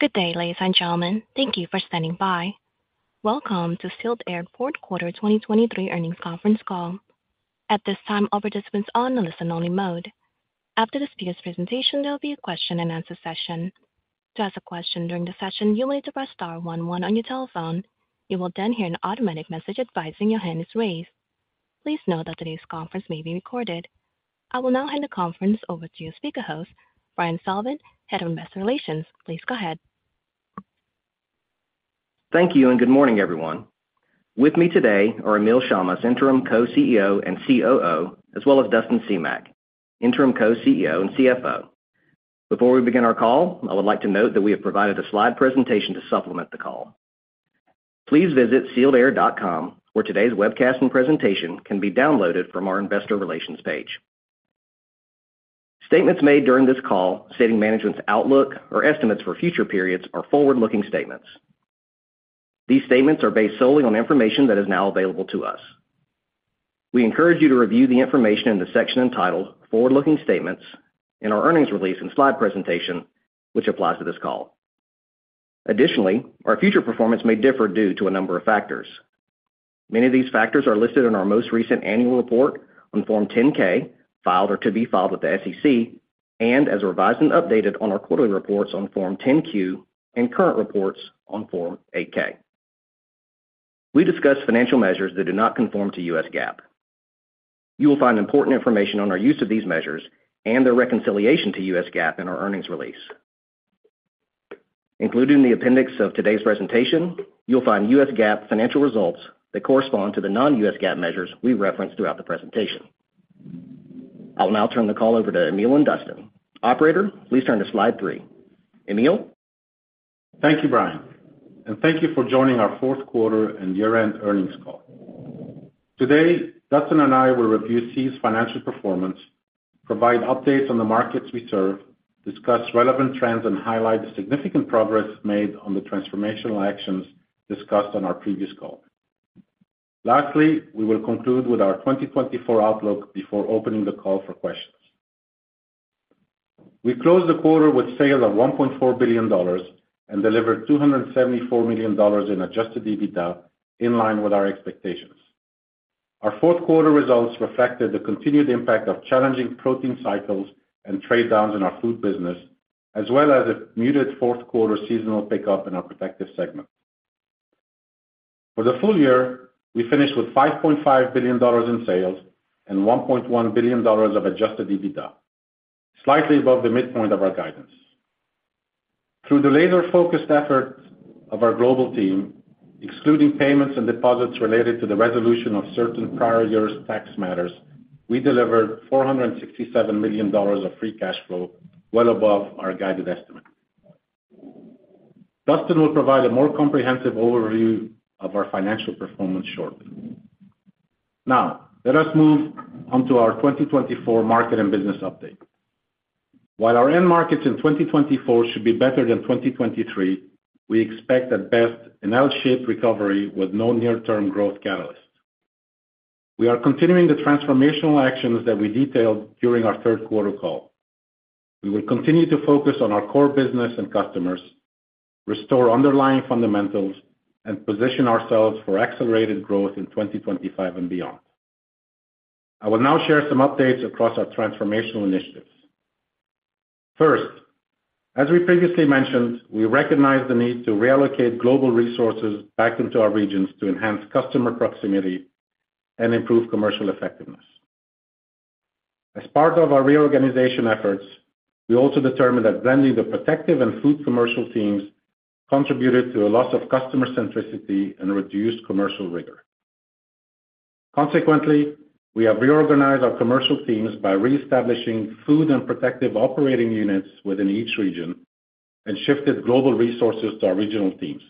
Good day, ladies and gentlemen. Thank you for standing by. Welcome to Sealed Air's Fourth Quarter 2023 earnings conference call. At this time, all participants are in a listen-only mode. After the speaker's presentation, there will be a question-and-answer session. To ask a question during the session, you may need to press star 1 1 on your telephone. You will then hear an automatic message advising your hand is raised. Please note that today's conference may be recorded. I will now hand the conference over to your speaker host, Brian Sullivan, Head of Investor Relations. Please go ahead. Thank you and good morning, everyone. With me today are Emile Chammas, interim co-CEO and COO, as well as Dustin Semach, interim co-CEO and CFO. Before we begin our call, I would like to note that we have provided a slide presentation to supplement the call. Please visit sealedair.com, where today's webcast and presentation can be downloaded from our investor relations page. Statements made during this call stating management's outlook or estimates for future periods are forward-looking statements. These statements are based solely on information that is now available to us. We encourage you to review the information in the section entitled "Forward-Looking Statements" in our earnings release and slide presentation, which applies to this call. Additionally, our future performance may differ due to a number of factors. Many of these factors are listed in our most recent annual report on Form 10-K, filed or to be filed with the SEC, and as revised and updated on our quarterly reports on Form 10-Q and current reports on Form 8-K. We discuss financial measures that do not conform to US GAAP. You will find important information on our use of these measures and their reconciliation to US GAAP in our earnings release. Included in the appendix of today's presentation, you'll find US GAAP financial results that correspond to the non-US GAAP measures we referenced throughout the presentation. I will now turn the call over to Emile and Dustin. Operator, please turn to slide 3. Emile? Thank you, Brian. Thank you for joining our fourth quarter and year-end earnings call. Today, Dustin and I will review SEE's financial performance, provide updates on the markets we serve, discuss relevant trends, and highlight the significant progress made on the transformational actions discussed on our previous call. Lastly, we will conclude with our 2024 outlook before opening the call for questions. We closed the quarter with sales of $1.4 billion and delivered $274 million in Adjusted EBITDA, in line with our expectations. Our fourth quarter results reflected the continued impact of challenging protein cycles and trade-downs in our food business, as well as a muted fourth quarter seasonal pickup in our Protective segment. For the full year, we finished with $5.5 billion in sales and $1.1 billion of Adjusted EBITDA, slightly above the midpoint of our guidance. Through the laser-focused efforts of our global team, excluding payments and deposits related to the resolution of certain prior year's tax matters, we delivered $467 million of free cash flow, well above our guided estimate. Dustin will provide a more comprehensive overview of our financial performance shortly. Now, let us move onto our 2024 market and business update. While our end markets in 2024 should be better than 2023, we expect, at best, an L-shaped recovery with no near-term growth catalysts. We are continuing the transformational actions that we detailed during our third quarter call. We will continue to focus on our core business and customers, restore underlying fundamentals, and position ourselves for accelerated growth in 2025 and beyond. I will now share some updates across our transformational initiatives. First, as we previously mentioned, we recognize the need to reallocate global resources back into our regions to enhance customer proximity and improve commercial effectiveness. As part of our reorganization efforts, we also determined that blending the protective and food commercial teams contributed to a loss of customer centricity and reduced commercial rigor. Consequently, we have reorganized our commercial teams by reestablishing food and protective operating units within each region and shifted global resources to our regional teams.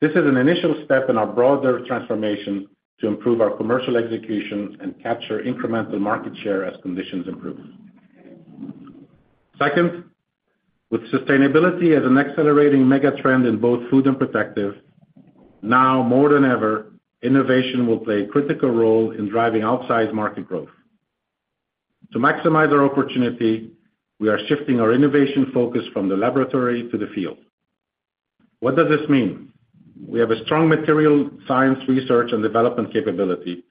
This is an initial step in our broader transformation to improve our commercial execution and capture incremental market share as conditions improve. Second, with sustainability as an accelerating megatrend in both food and protective, now more than ever, innovation will play a critical role in driving outsized market growth. To maximize our opportunity, we are shifting our innovation focus from the laboratory to the field. What does this mean? We have a strong material science research and development capability,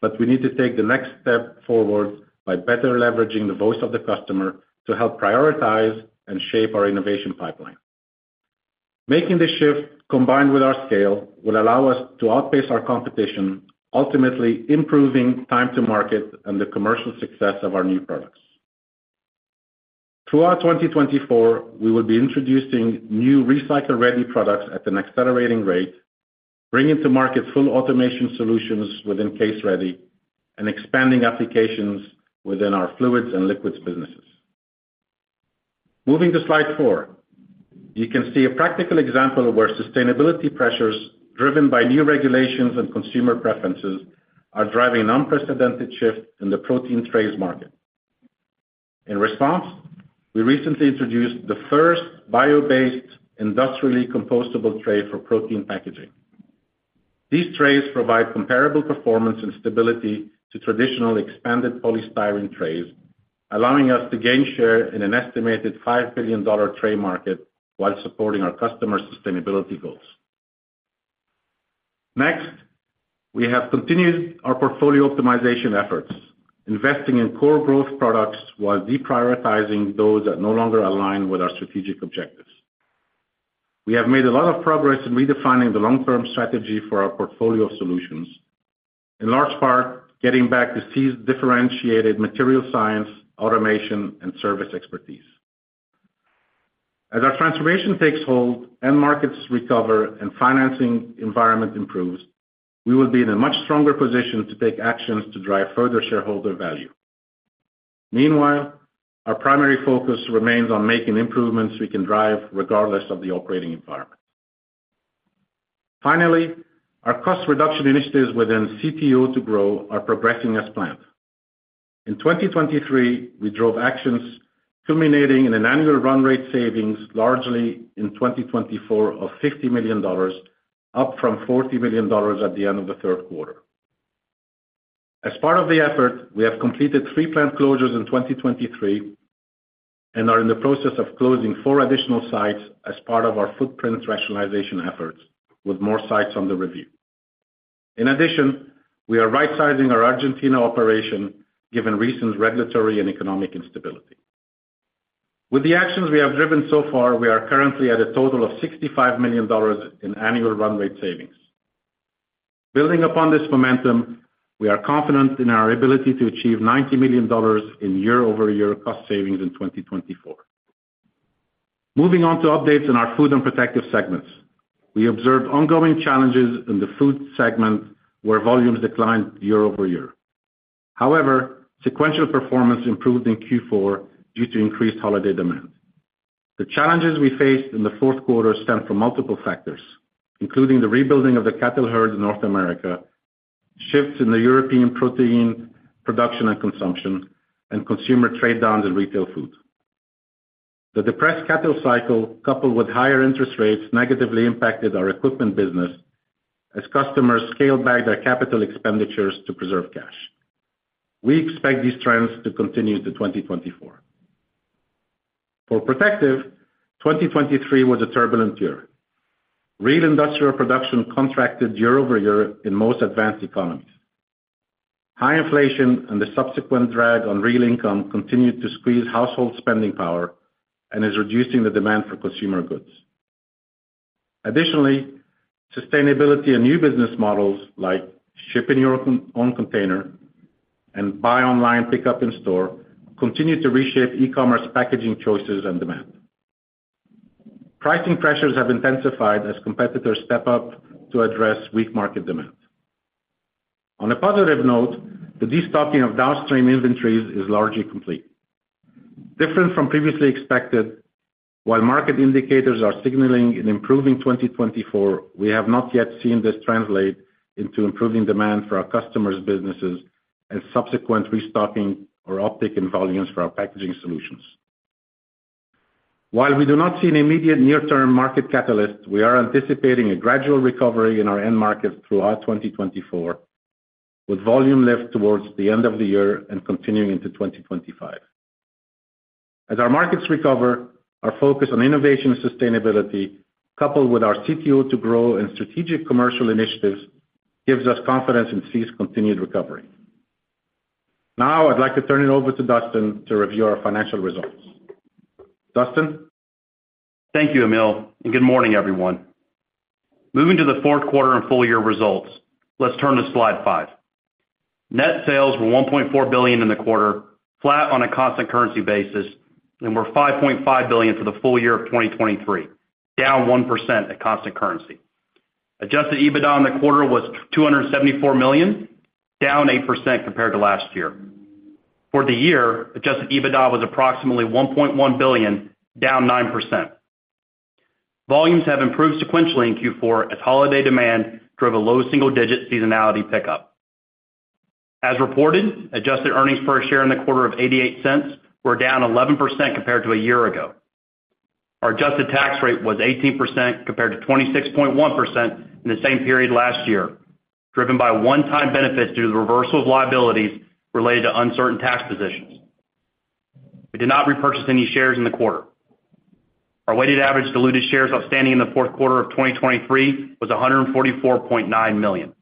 but we need to take the next step forward by better leveraging the voice of the customer to help prioritize and shape our innovation pipeline. Making this shift, combined with our scale, will allow us to outpace our competition, ultimately improving time-to-market and the commercial success of our new products. Throughout 2024, we will be introducing new recycle-ready products at an accelerating rate, bringing to market full automation solutions within case-ready, and expanding applications within our fluids and liquids businesses. Moving to slide 4, you can see a practical example of where sustainability pressures driven by new regulations and consumer preferences are driving an unprecedented shift in the protein trays market. In response, we recently introduced the first bio-based, industrially compostable tray for protein packaging. These trays provide comparable performance and stability to traditional expanded polystyrene trays, allowing us to gain share in an estimated $5 billion tray market while supporting our customer sustainability goals. Next, we have continued our portfolio optimization efforts, investing in core growth products while deprioritizing those that no longer align with our strategic objectives. We have made a lot of progress in redefining the long-term strategy for our portfolio of solutions, in large part getting back to SEE's differentiated material science, automation, and service expertise. As our transformation takes hold, end markets recover, and financing environment improves, we will be in a much stronger position to take actions to drive further shareholder value. Meanwhile, our primary focus remains on making improvements we can drive regardless of the operating environment. Finally, our cost reduction initiatives within CTO2Grow are progressing as planned. In 2023, we drove actions culminating in an annual run-rate savings, largely in 2024, of $50 million, up from $40 million at the end of the third quarter. As part of the effort, we have completed three plant closures in 2023 and are in the process of closing four additional sites as part of our footprint rationalization efforts, with more sites under review. In addition, we are right-sizing our Argentina operation given recent regulatory and economic instability. With the actions we have driven so far, we are currently at a total of $65 million in annual run-rate savings. Building upon this momentum, we are confident in our ability to achieve $90 million in year-over-year cost savings in 2024. Moving on to updates in our food and protective segments, we observed ongoing challenges in the food segment where volumes declined year-over-year. However, sequential performance improved in Q4 due to increased holiday demand. The challenges we faced in the fourth quarter stemmed from multiple factors, including the rebuilding of the cattle herds in North America, shifts in the European protein production and consumption, and consumer trade-downs in retail food. The depressed cattle cycle, coupled with higher interest rates, negatively impacted our equipment business as customers scaled back their capital expenditures to preserve cash. We expect these trends to continue into 2024. For protective, 2023 was a turbulent year. Real industrial production contracted year-over-year in most advanced economies. High inflation and the subsequent drag on real income continued to squeeze household spending power and is reducing the demand for consumer goods. Additionally, sustainability and new business models, like ship-in-your-own container and buy-online pickup in store, continue to reshape e-commerce packaging choices and demand. Pricing pressures have intensified as competitors step up to address weak market demand. On a positive note, the destocking of downstream inventories is largely complete. Different from previously expected, while market indicators are signaling an improving 2024, we have not yet seen this translate into improving demand for our customers' businesses and subsequent restocking or uptake in volumes for our packaging solutions. While we do not see an immediate near-term market catalyst, we are anticipating a gradual recovery in our end markets throughout 2024, with volume lift towards the end of the year and continuing into 2025. As our markets recover, our focus on innovation and sustainability, coupled with our CTO2Grow and strategic commercial initiatives, gives us confidence in SEE's continued recovery. Now, I'd like to turn it over to Dustin to review our financial results. Dustin? Thank you, Emile, and good morning, everyone. Moving to the fourth quarter and full-year results, let's turn to slide five. Net sales were $1.4 billion in the quarter, flat on a constant currency basis, and were $5.5 billion for the full year of 2023, down 1% at constant currency. Adjusted EBITDA in the quarter was $274 million, down 8% compared to last year. For the year, adjusted EBITDA was approximately $1.1 billion, down 9%. Volumes have improved sequentially in Q4 as holiday demand drove a low single-digit seasonality pickup. As reported, adjusted earnings per share in the quarter of $0.88 were down 11% compared to a year ago. Our adjusted tax rate was 18% compared to 26.1% in the same period last year, driven by one-time benefits due to the reversal of liabilities related to uncertain tax positions. We did not repurchase any shares in the quarter. Our weighted average diluted shares outstanding in the fourth quarter of 2023 was $144.9 million.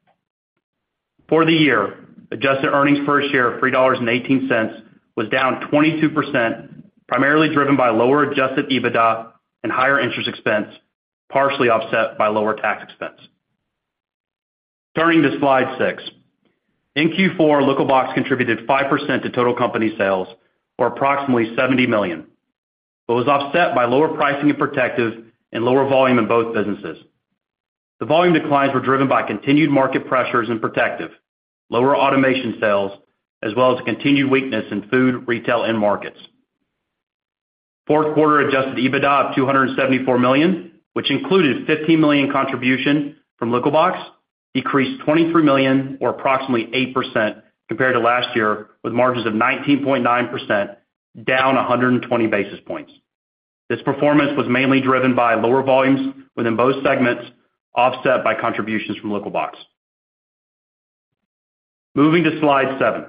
For the year, adjusted earnings per share of $3.18 was down 22%, primarily driven by lower adjusted EBITDA and higher interest expense, partially offset by lower tax expense. Turning to slide 6. In Q4, Liquibox contributed 5% to total company sales, or approximately $70 million, but was offset by lower pricing in protective and lower volume in both businesses. The volume declines were driven by continued market pressures in protective, lower automation sales, as well as continued weakness in food, retail, and markets. Fourth quarter adjusted EBITDA of $274 million, which included $15 million contribution from Liquibox, decreased $23 million, or approximately 8% compared to last year, with margins of 19.9%, down 120 basis points. This performance was mainly driven by lower volumes within both segments, offset by contributions from Liquibox. Moving to slide seven.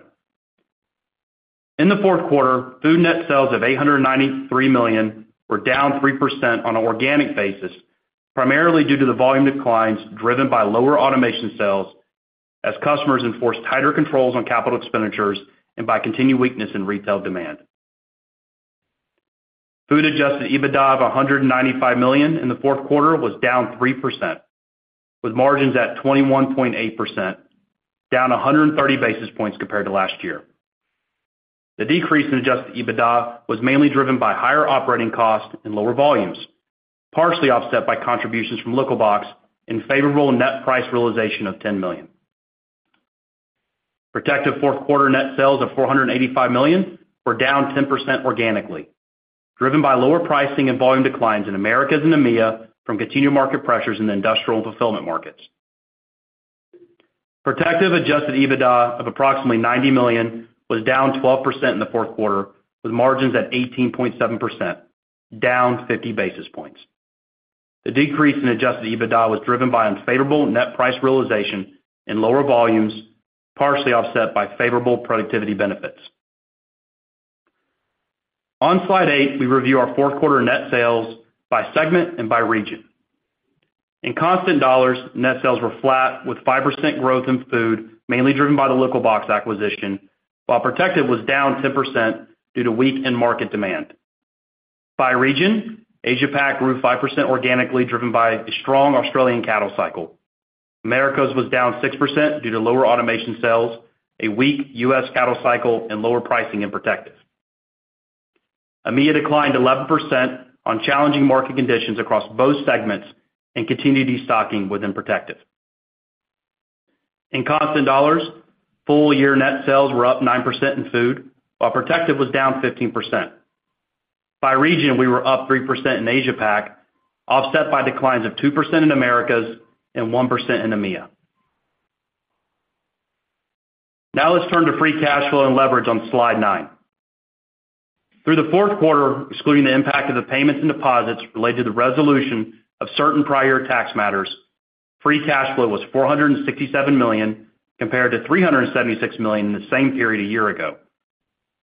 In the fourth quarter, Food net sales of $893 million were down 3% on an organic basis, primarily due to the volume declines driven by lower automation sales as customers enforced tighter controls on capital expenditures and by continued weakness in retail demand. Food adjusted EBITDA of $195 million in the fourth quarter was down 3%, with margins at 21.8%, down 130 basis points compared to last year. The decrease in adjusted EBITDA was mainly driven by higher operating costs and lower volumes, partially offset by contributions from Liquibox and favorable net price realization of $10 million. Protective fourth quarter net sales of $485 million were down 10% organically, driven by lower pricing and volume declines in Americas and EMEA from continual market pressures in the industrial and fulfillment markets. Protective adjusted EBITDA of approximately $90 million was down 12% in the fourth quarter, with margins at 18.7%, down 50 basis points. The decrease in adjusted EBITDA was driven by unfavorable net price realization and lower volumes, partially offset by favorable productivity benefits. On slide eight, we review our fourth quarter net sales by segment and by region. In constant dollars, net sales were flat with 5% growth in food, mainly driven by the Liquibox acquisition, while protective was down 10% due to weak end market demand. By region, Asia-Pac grew 5% organically, driven by a strong Australian cattle cycle. Americas was down 6% due to lower automation sales, a weak US cattle cycle, and lower pricing in protective. EMEA declined 11% on challenging market conditions across both segments and continued destocking within protective. In constant dollars, full-year net sales were up 9% in food, while protective was down 15%. By region, we were up 3% in Asia-Pac, offset by declines of 2% in Americas and 1% in EMEA. Now, let's turn to free cash flow and leverage on slide nine. Through the fourth quarter, excluding the impact of the payments and deposits related to the resolution of certain prior tax matters, free cash flow was $467 million compared to $376 million in the same period a year ago,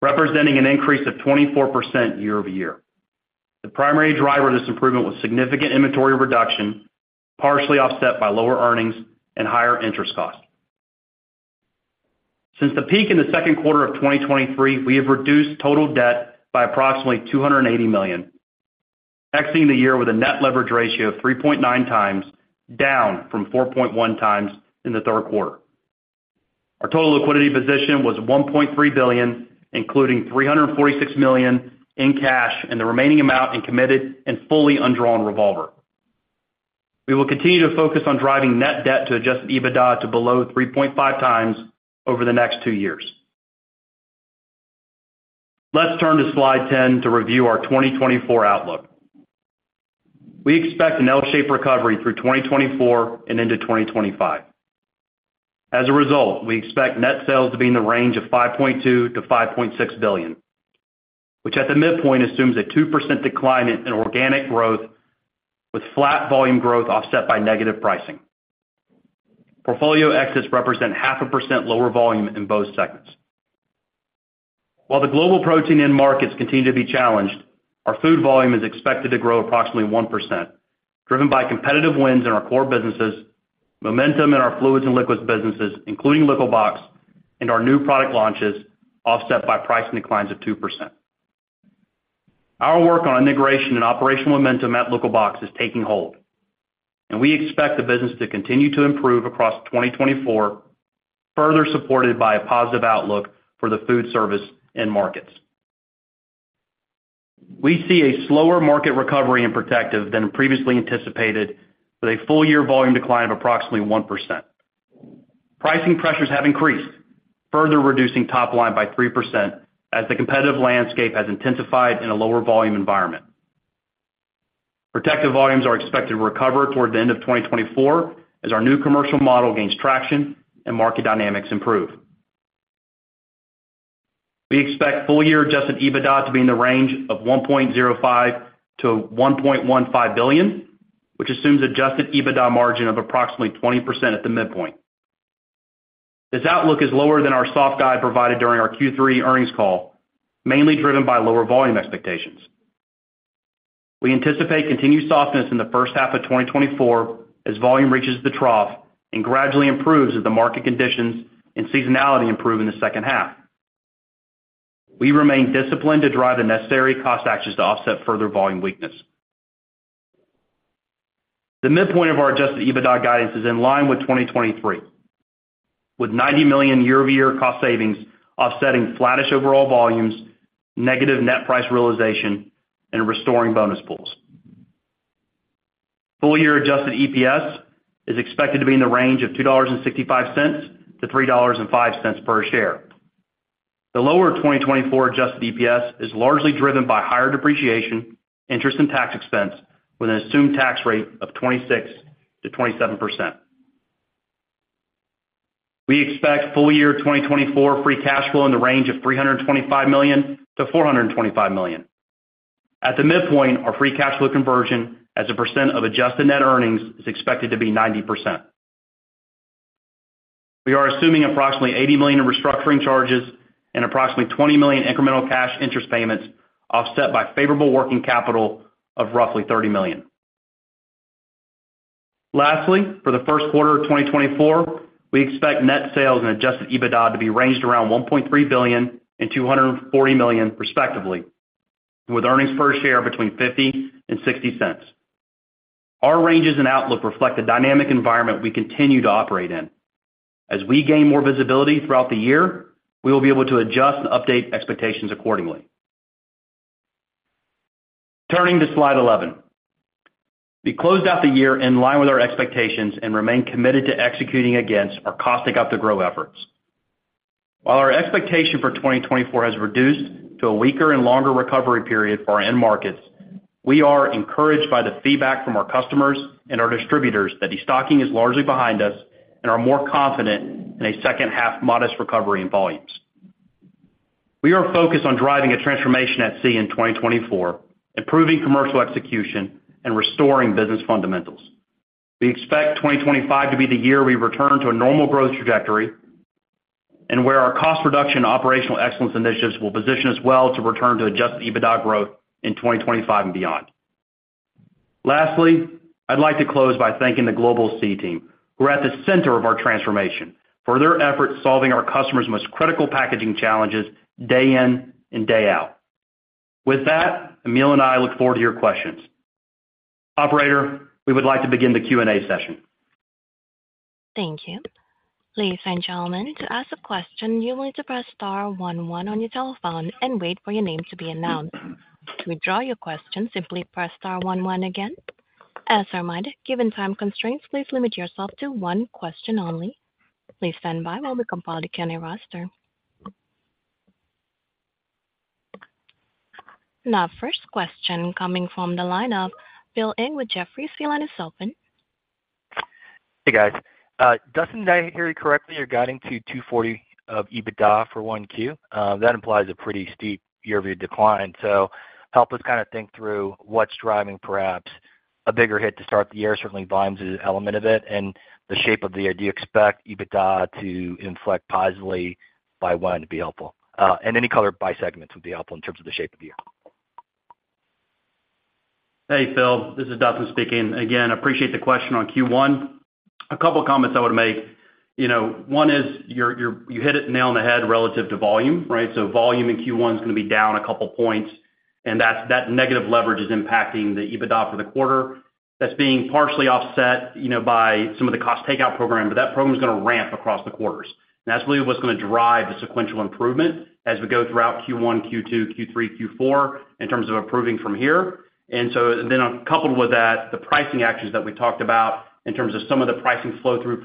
representing an increase of 24% year-over-year. The primary driver of this improvement was significant inventory reduction, partially offset by lower earnings and higher interest costs. Since the peak in the second quarter of 2023, we have reduced total debt by approximately $280 million, exiting the year with a net leverage ratio of 3.9 times, down from 4.1 times in the third quarter. Our total liquidity position was $1.3 billion, including $346 million in cash and the remaining amount in committed and fully undrawn revolver. We will continue to focus on driving net debt to Adjusted EBITDA to below 3.5x over the next two years. Let's turn to slide 10 to review our 2024 outlook. We expect an L-shaped recovery through 2024 and into 2025. As a result, we expect net sales to be in the range of $5.2-$5.6 billion, which at the midpoint assumes a 2% decline in organic growth with flat volume growth offset by negative pricing. Portfolio exits represent 0.5% lower volume in both segments. While the global protein end markets continue to be challenged, our Food volume is expected to grow approximately 1%, driven by competitive wins in our core businesses, momentum in our fluids and liquids businesses, including Liquibox, and our new product launches, offset by price declines of 2%. Our work on integration and operational momentum at Liquibox is taking hold, and we expect the business to continue to improve across 2024, further supported by a positive outlook for the food service end markets. We see a slower market recovery in Protective than previously anticipated, with a full-year volume decline of approximately 1%. Pricing pressures have increased, further reducing top line by 3% as the competitive landscape has intensified in a lower volume environment. Protective volumes are expected to recover toward the end of 2024 as our new commercial model gains traction and market dynamics improve. We expect full-year Adjusted EBITDA to be in the range of $1.05-$1.15 billion, which assumes Adjusted EBITDA margin of approximately 20% at the midpoint. This outlook is lower than our soft guide provided during our Q3 earnings call, mainly driven by lower volume expectations. We anticipate continued softness in the first half of 2024 as volume reaches the trough and gradually improves as the market conditions and seasonality improve in the second half. We remain disciplined to drive the necessary cost actions to offset further volume weakness. The midpoint of our Adjusted EBITDA guidance is in line with 2023, with $90 million year-over-year cost savings offsetting flatish overall volumes, negative net price realization, and restoring bonus pools. Full-year Adjusted EPS is expected to be in the range of $2.65-$3.05 per share. The lower 2024 adjusted EPS is largely driven by higher depreciation, interest, and tax expense, with an assumed tax rate of 26%-27%. We expect full-year 2024 free cash flow in the range of $325 million-$425 million. At the midpoint, our free cash flow conversion as a percent of adjusted net earnings is expected to be 90%. We are assuming approximately $80 million in restructuring charges and approximately $20 million incremental cash interest payments, offset by favorable working capital of roughly $30 million. Lastly, for the first quarter of 2024, we expect net sales and adjusted EBITDA to be ranged around $1.3 billion and $240 million, respectively, with earnings per share between $0.50 and $0.60. Our ranges and outlook reflect the dynamic environment we continue to operate in. As we gain more visibility throughout the year, we will be able to adjust and update expectations accordingly. Turning to slide 11. We closed out the year in line with our expectations and remain committed to executing against our CTO2Grow efforts. While our expectation for 2024 has reduced to a weaker and longer recovery period for our end markets, we are encouraged by the feedback from our customers and our distributors that destocking is largely behind us and are more confident in a second half modest recovery in volumes. We are focused on driving a transformation at SEE in 2024, improving commercial execution, and restoring business fundamentals. We expect 2025 to be the year we return to a normal growth trajectory and where our cost reduction and operational excellence initiatives will position us well to return to Adjusted EBITDA growth in 2025 and beyond. Lastly, I'd like to close by thanking the Global SEE team, who are at the center of our transformation, for their efforts solving our customers' most critical packaging challenges day in and day out. With that, Emile and I look forward to your questions. Operator, we would like to begin the Q&A session. Thank you. Ladies and gentlemen, to ask a question, you will need to press star 11 on your telephone and wait for your name to be announced. To withdraw your question, simply press star 11 again. As reminded, given time constraints, please limit yourself to one question only. Please stand by while we compile the Q&A roster. Now, first question coming from the line of Phil Ng with Jefferies is open. Hey, guys. Dustin, did I hear you correctly regarding to $240 of EBITDA for one Q? That implies a pretty steep year-over-year decline. So help us kind of think through what's driving, perhaps, a bigger hit to start the year. Certainly, volumes is an element of it, and the shape of the year do you expect EBITDA to inflect positively by when? It'd be helpful. And any color by segments would be helpful in terms of the shape of the year. Hey, Phil. This is Dustin speaking. Again, appreciate the question on Q1. A couple of comments I would make. One is you hit the nail on the head relative to volume, right? So volume in Q1 is going to be down a couple of points, and that negative leverage is impacting the EBITDA for the quarter. That's being partially offset by some of the cost takeout program, but that program is going to ramp across the quarters. And that's really what's going to drive the sequential improvement as we go throughout Q1, Q2, Q3, Q4 in terms of improving from here. And then coupled with that, the pricing actions that we talked about in terms of some of the pricing flow-through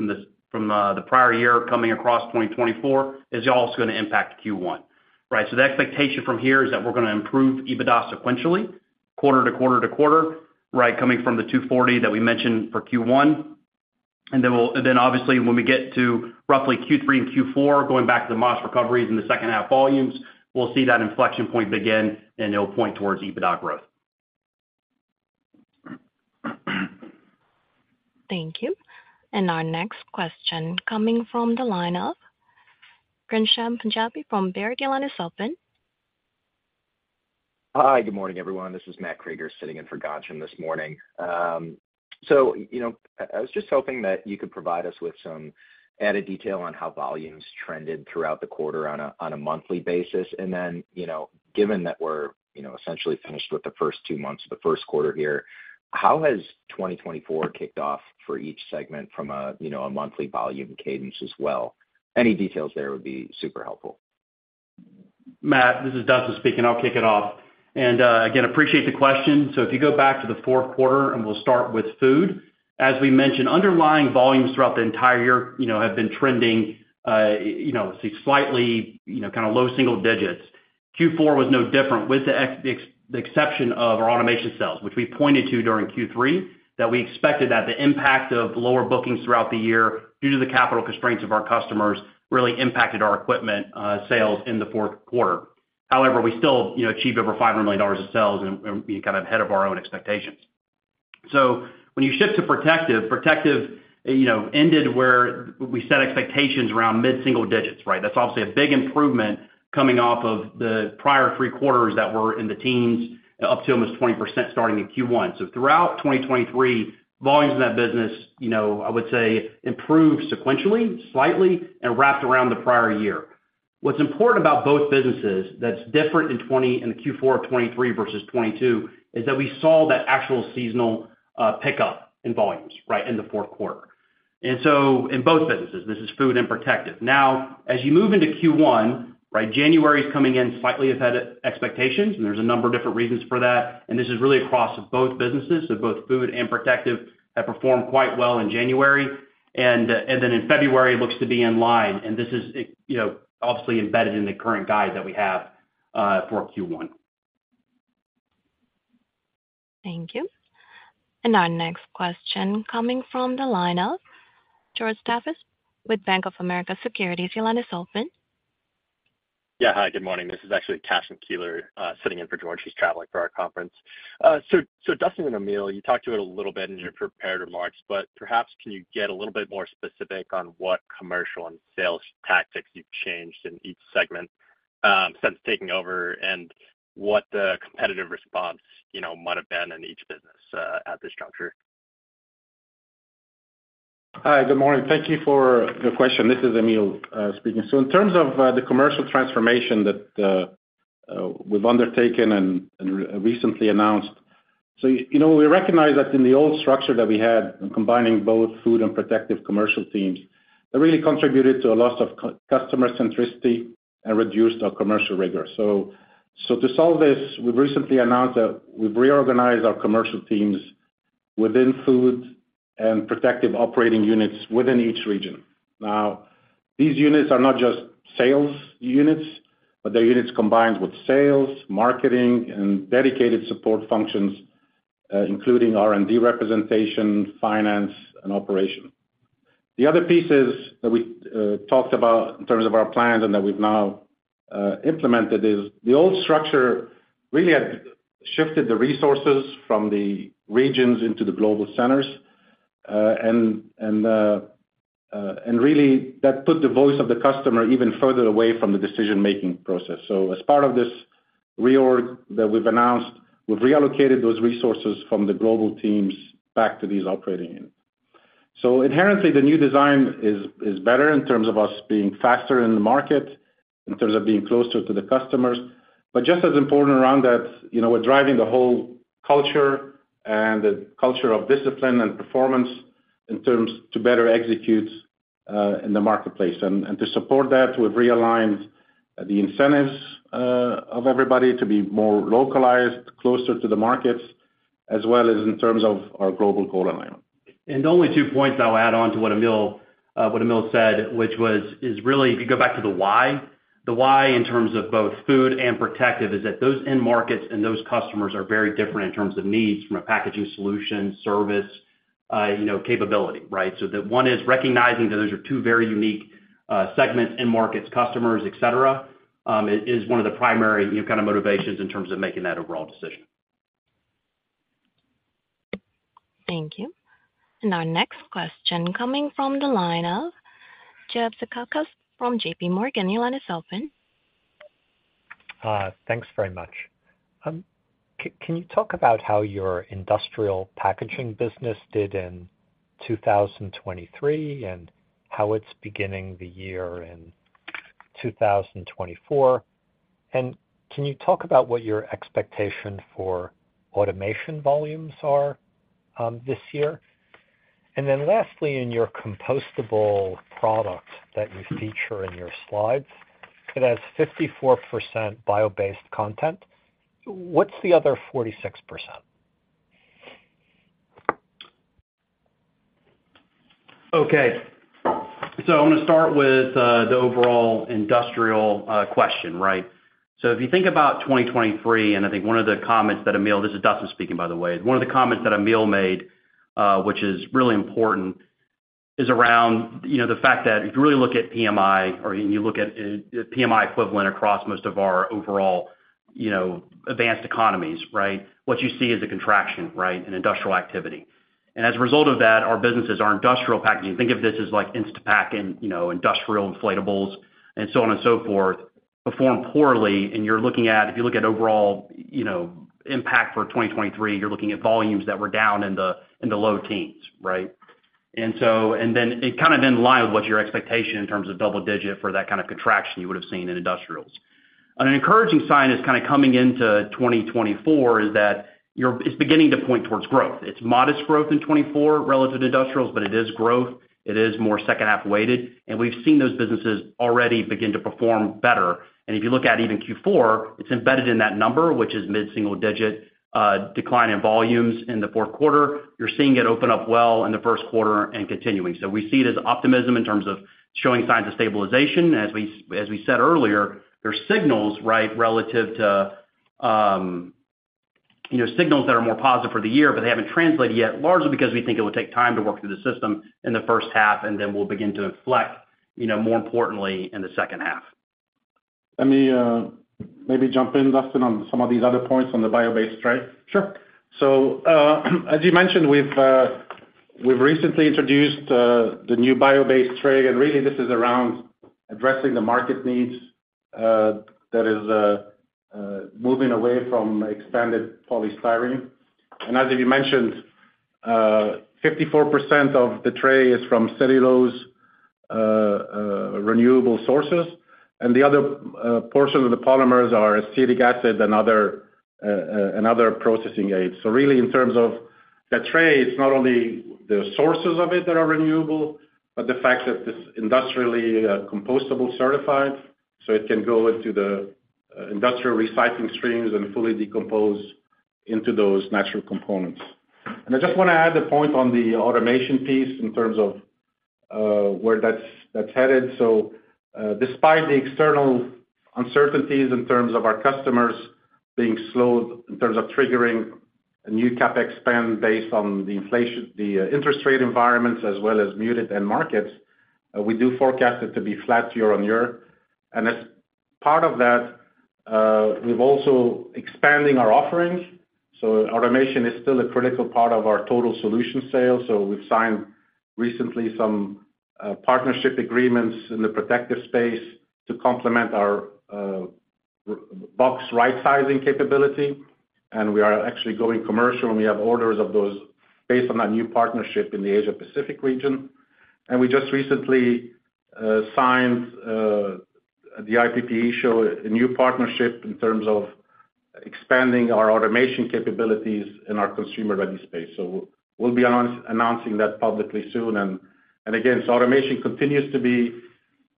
from the prior year coming across 2024 is also going to impact Q1, right? So the expectation from here is that we're going to improve EBITDA sequentially, quarter to quarter to quarter, right, coming from the $240 that we mentioned for Q1. And then obviously, when we get to roughly Q3 and Q4, going back to the modest recoveries in the second half volumes, we'll see that inflection point begin, and it'll point towards EBITDA growth. Thank you. Our next question coming from the line of Ghansham Panjabi from Baird. Your line is open. Hi. Good morning, everyone. This is Matt Krueger sitting in for Ghansham this morning. So I was just hoping that you could provide us with some added detail on how volumes trended throughout the quarter on a monthly basis. And then given that we're essentially finished with the first two months of the first quarter here, how has 2024 kicked off for each segment from a monthly volume cadence as well? Any details there would be super helpful. Matt, this is Dustin speaking. I'll kick it off. And again, appreciate the question. So if you go back to the fourth quarter, and we'll start with Food. As we mentioned, underlying volumes throughout the entire year have been trending, let's see, slightly kind of low single digits. Q4 was no different with the exception of our automation sales, which we pointed to during Q3, that we expected that the impact of lower bookings throughout the year due to the capital constraints of our customers really impacted our equipment sales in the fourth quarter. However, we still achieved over $500 million of sales and kind of ahead of our own expectations. So when you shift to Protective, Protective ended where we set expectations around mid-single digits, right? That's obviously a big improvement coming off of the prior three quarters that were in the teens up to almost 20% starting in Q1. So throughout 2023, volumes in that business, I would say, improved sequentially, slightly, and wrapped around the prior year. What's important about both businesses that's different in Q4 of 2023 versus 2022 is that we saw that actual seasonal pickup in volumes, right, in the fourth quarter. And so in both businesses, this is food and protective. Now, as you move into Q1, right, January is coming in slightly ahead of expectations, and there's a number of different reasons for that. And this is really across both businesses. So both food and protective have performed quite well in January. And then in February, it looks to be in line. And this is obviously embedded in the current guide that we have for Q1. Thank you. And our next question coming from the line of George Davis with Bank of America Securities. Your line is open. Yeah. Hi. Good morning. This is actually Cashen Keeler sitting in for George. She's traveling for our conference. So Dustin and Emile, you talked to it a little bit in your prepared remarks, but perhaps can you get a little bit more specific on what commercial and sales tactics you've changed in each segment since taking over and what the competitive response might have been in each business at this juncture? Hi. Good morning. Thank you for the question. This is Emile speaking. In terms of the commercial transformation that we've undertaken and recently announced, we recognize that in the old structure that we had, combining both food and protective commercial teams, that really contributed to a loss of customer centricity and reduced our commercial rigor. To solve this, we've recently announced that we've reorganized our commercial teams within food and protective operating units within each region. Now, these units are not just sales units, but they're units combined with sales, marketing, and dedicated support functions, including R&D representation, finance, and operation. The other pieces that we talked about in terms of our plans and that we've now implemented is the old structure really had shifted the resources from the regions into the global centers. Really, that put the voice of the customer even further away from the decision-making process. As part of this reorg that we've announced, we've reallocated those resources from the global teams back to these operating units. Inherently, the new design is better in terms of us being faster in the market, in terms of being closer to the customers. Just as important around that, we're driving the whole culture and the culture of discipline and performance in terms to better execute in the marketplace. And to support that, we've realigned the incentives of everybody to be more localized, closer to the markets, as well as in terms of our global goal alignment. Only two points I'll add on to what Emile said, which is really if you go back to the why. The why in terms of both food and protective is that those end markets and those customers are very different in terms of needs from a packaging solution, service, capability, right? So that one is recognizing that those are two very unique segments, end markets, customers, etc., is one of the primary kind of motivations in terms of making that overall decision. Thank you. Our next question coming from the line of Jeff Zekauskas from JPMorgan. Your line is open. Thanks very much. Can you talk about how your industrial packaging business did in 2023 and how it's beginning the year in 2024? And can you talk about what your expectation for automation volumes are this year? And then lastly, in your compostable product that you feature in your slides, it has 54% bio-based content. What's the other 46%? Okay. So I'm going to start with the overall industrial question, right? So if you think about 2023, and I think one of the comments that Emile this is Dustin speaking, by the way. One of the comments that Emile made, which is really important, is around the fact that if you really look at PMI or you look at the PMI equivalent across most of our overall advanced economies, right, what you see is a contraction, right, in industrial activity. And as a result of that, our businesses, our industrial packaging think of this as like Instapak and industrial inflatables and so on and so forth perform poorly. And you're looking at if you look at overall impact for 2023, you're looking at volumes that were down in the low teens, right? And then it kind of in line with what's your expectation in terms of double-digit for that kind of contraction you would have seen in industrials. An encouraging sign is kind of coming into 2024 is that it's beginning to point towards growth. It's modest growth in 2024 relative to industrials, but it is growth. It is more second-half weighted. And we've seen those businesses already begin to perform better. And if you look at even Q4, it's embedded in that number, which is mid-single-digit decline in volumes in the fourth quarter. You're seeing it open up well in the first quarter and continuing. So we see it as optimism in terms of showing signs of stabilization. As we said earlier, there are signals, right, relative to signals that are more positive for the year, but they haven't translated yet, largely because we think it will take time to work through the system in the first half, and then we'll begin to inflect, more importantly, in the second half. Let me maybe jump in, Dustin, on some of these other points on the bio-based tray. Sure. So as you mentioned, we've recently introduced the new bio-based tray. And really, this is around addressing the market needs that is moving away from expanded polystyrene. And as you mentioned, 54% of the tray is from cellulose renewable sources. And the other portion of the polymers are acetic acid and other processing aids. So really, in terms of the tray, it's not only the sources of it that are renewable, but the fact that it's industrially compostable certified, so it can go into the industrial recycling streams and fully decompose into those natural components. And I just want to add a point on the automation piece in terms of where that's headed. So despite the external uncertainties in terms of our customers being slowed in terms of triggering a new CapEx spend based on the interest rate environments as well as muted end markets, we do forecast it to be flat year-on-year. And as part of that, we're also expanding our offering. So automation is still a critical part of our total solution sales. So we've signed recently some partnership agreements in the protective space to complement our box right-sizing capability. And we are actually going commercial, and we have orders of those based on that new partnership in the Asia-Pacific region. And we just recently signed the IPPE show, a new partnership in terms of expanding our automation capabilities in our consumer-ready space. So we'll be announcing that publicly soon. And again, so automation continues to be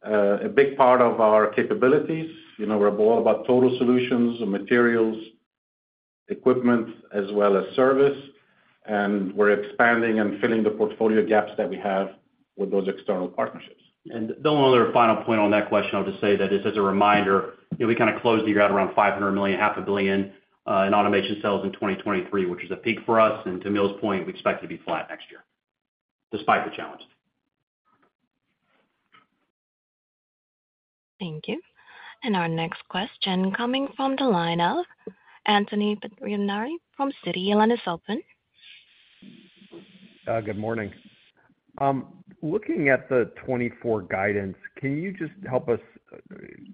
a big part of our capabilities. We're all about total solutions, materials, equipment, as well as service. We're expanding and filling the portfolio gaps that we have with those external partnerships. The only other final point on that question, I'll just say that is as a reminder, we kind of closed the year at around $500 million, half a billion in automation sales in 2023, which is a peak for us. And to Emile's point, we expect it to be flat next year despite the challenge. Thank you. Our next question coming from the line of Anthony Pettinari from Citi. Good morning. Looking at the 2024 guidance, can you just help us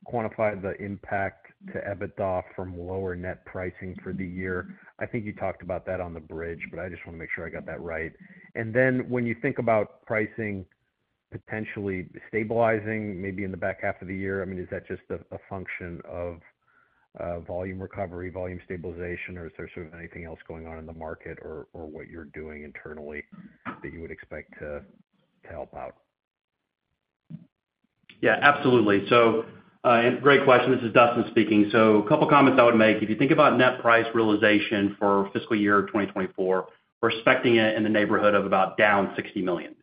quantify the impact to EBITDA from lower net pricing for the year? I think you talked about that on the bridge, but I just want to make sure I got that right. And then when you think about pricing potentially stabilizing maybe in the back half of the year, I mean, is that just a function of volume recovery, volume stabilization, or is there sort of anything else going on in the market or what you're doing internally that you would expect to help out? Yeah. Absolutely. And great question. This is Dustin speaking. So a couple of comments I would make. If you think about net price realization for fiscal year 2024, we're expecting it in the neighborhood of about down $60 million.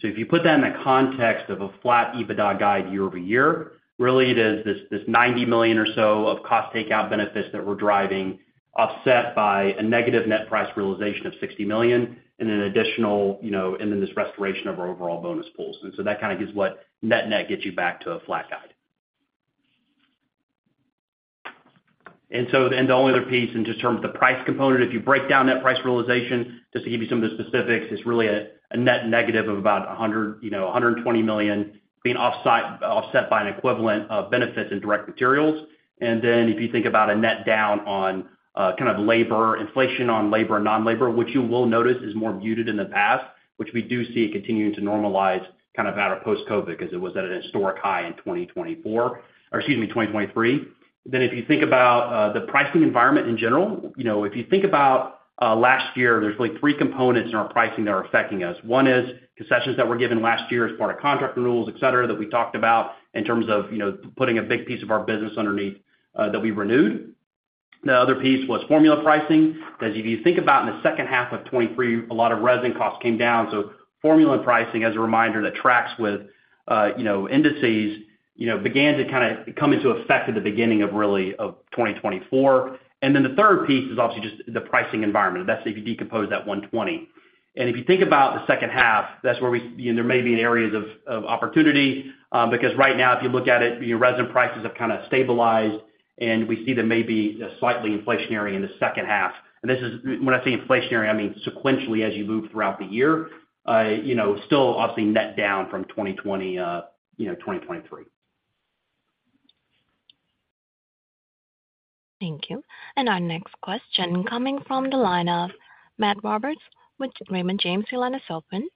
So if you put that in the context of a flat EBITDA guide year-over-year, really, it is this $90 million or so of cost takeout benefits that we're driving offset by a negative net price realization of $60 million and then additional and then this restoration of our overall bonus pools. And so that kind of gives what net-net gets you back to a flat guide. The only other piece in terms of the price component, if you break down net price realization, just to give you some of the specifics, it's really a net negative of about $120 million being offset by an equivalent of benefits and direct materials. If you think about a net down on kind of labor, inflation on labor and non-labor, which you will notice is more muted in the past, which we do see it continuing to normalize kind of out of post-COVID because it was at an historic high in 2024 or excuse me, 2023. If you think about the pricing environment in general, if you think about last year, there's really 3 components in our pricing that are affecting us. One is concessions that were given last year as part of contract renewals, etc., that we talked about in terms of putting a big piece of our business underneath that we renewed. The other piece was formula pricing. As if you think about in the second half of 2023, a lot of resin costs came down. So formula pricing, as a reminder that tracks with indices, began to kind of come into effect at the beginning of really of 2024. And then the third piece is obviously just the pricing environment. That's if you decompose that 120. And if you think about the second half, that's where there may be areas of opportunity because right now, if you look at it, resin prices have kind of stabilized, and we see them maybe slightly inflationary in the second half. When I say inflationary, I mean sequentially as you move throughout the year, still obviously net down from 2020, 2023. Thank you. Our next question coming from the line of Matt Roberts with Raymond James, your line is open.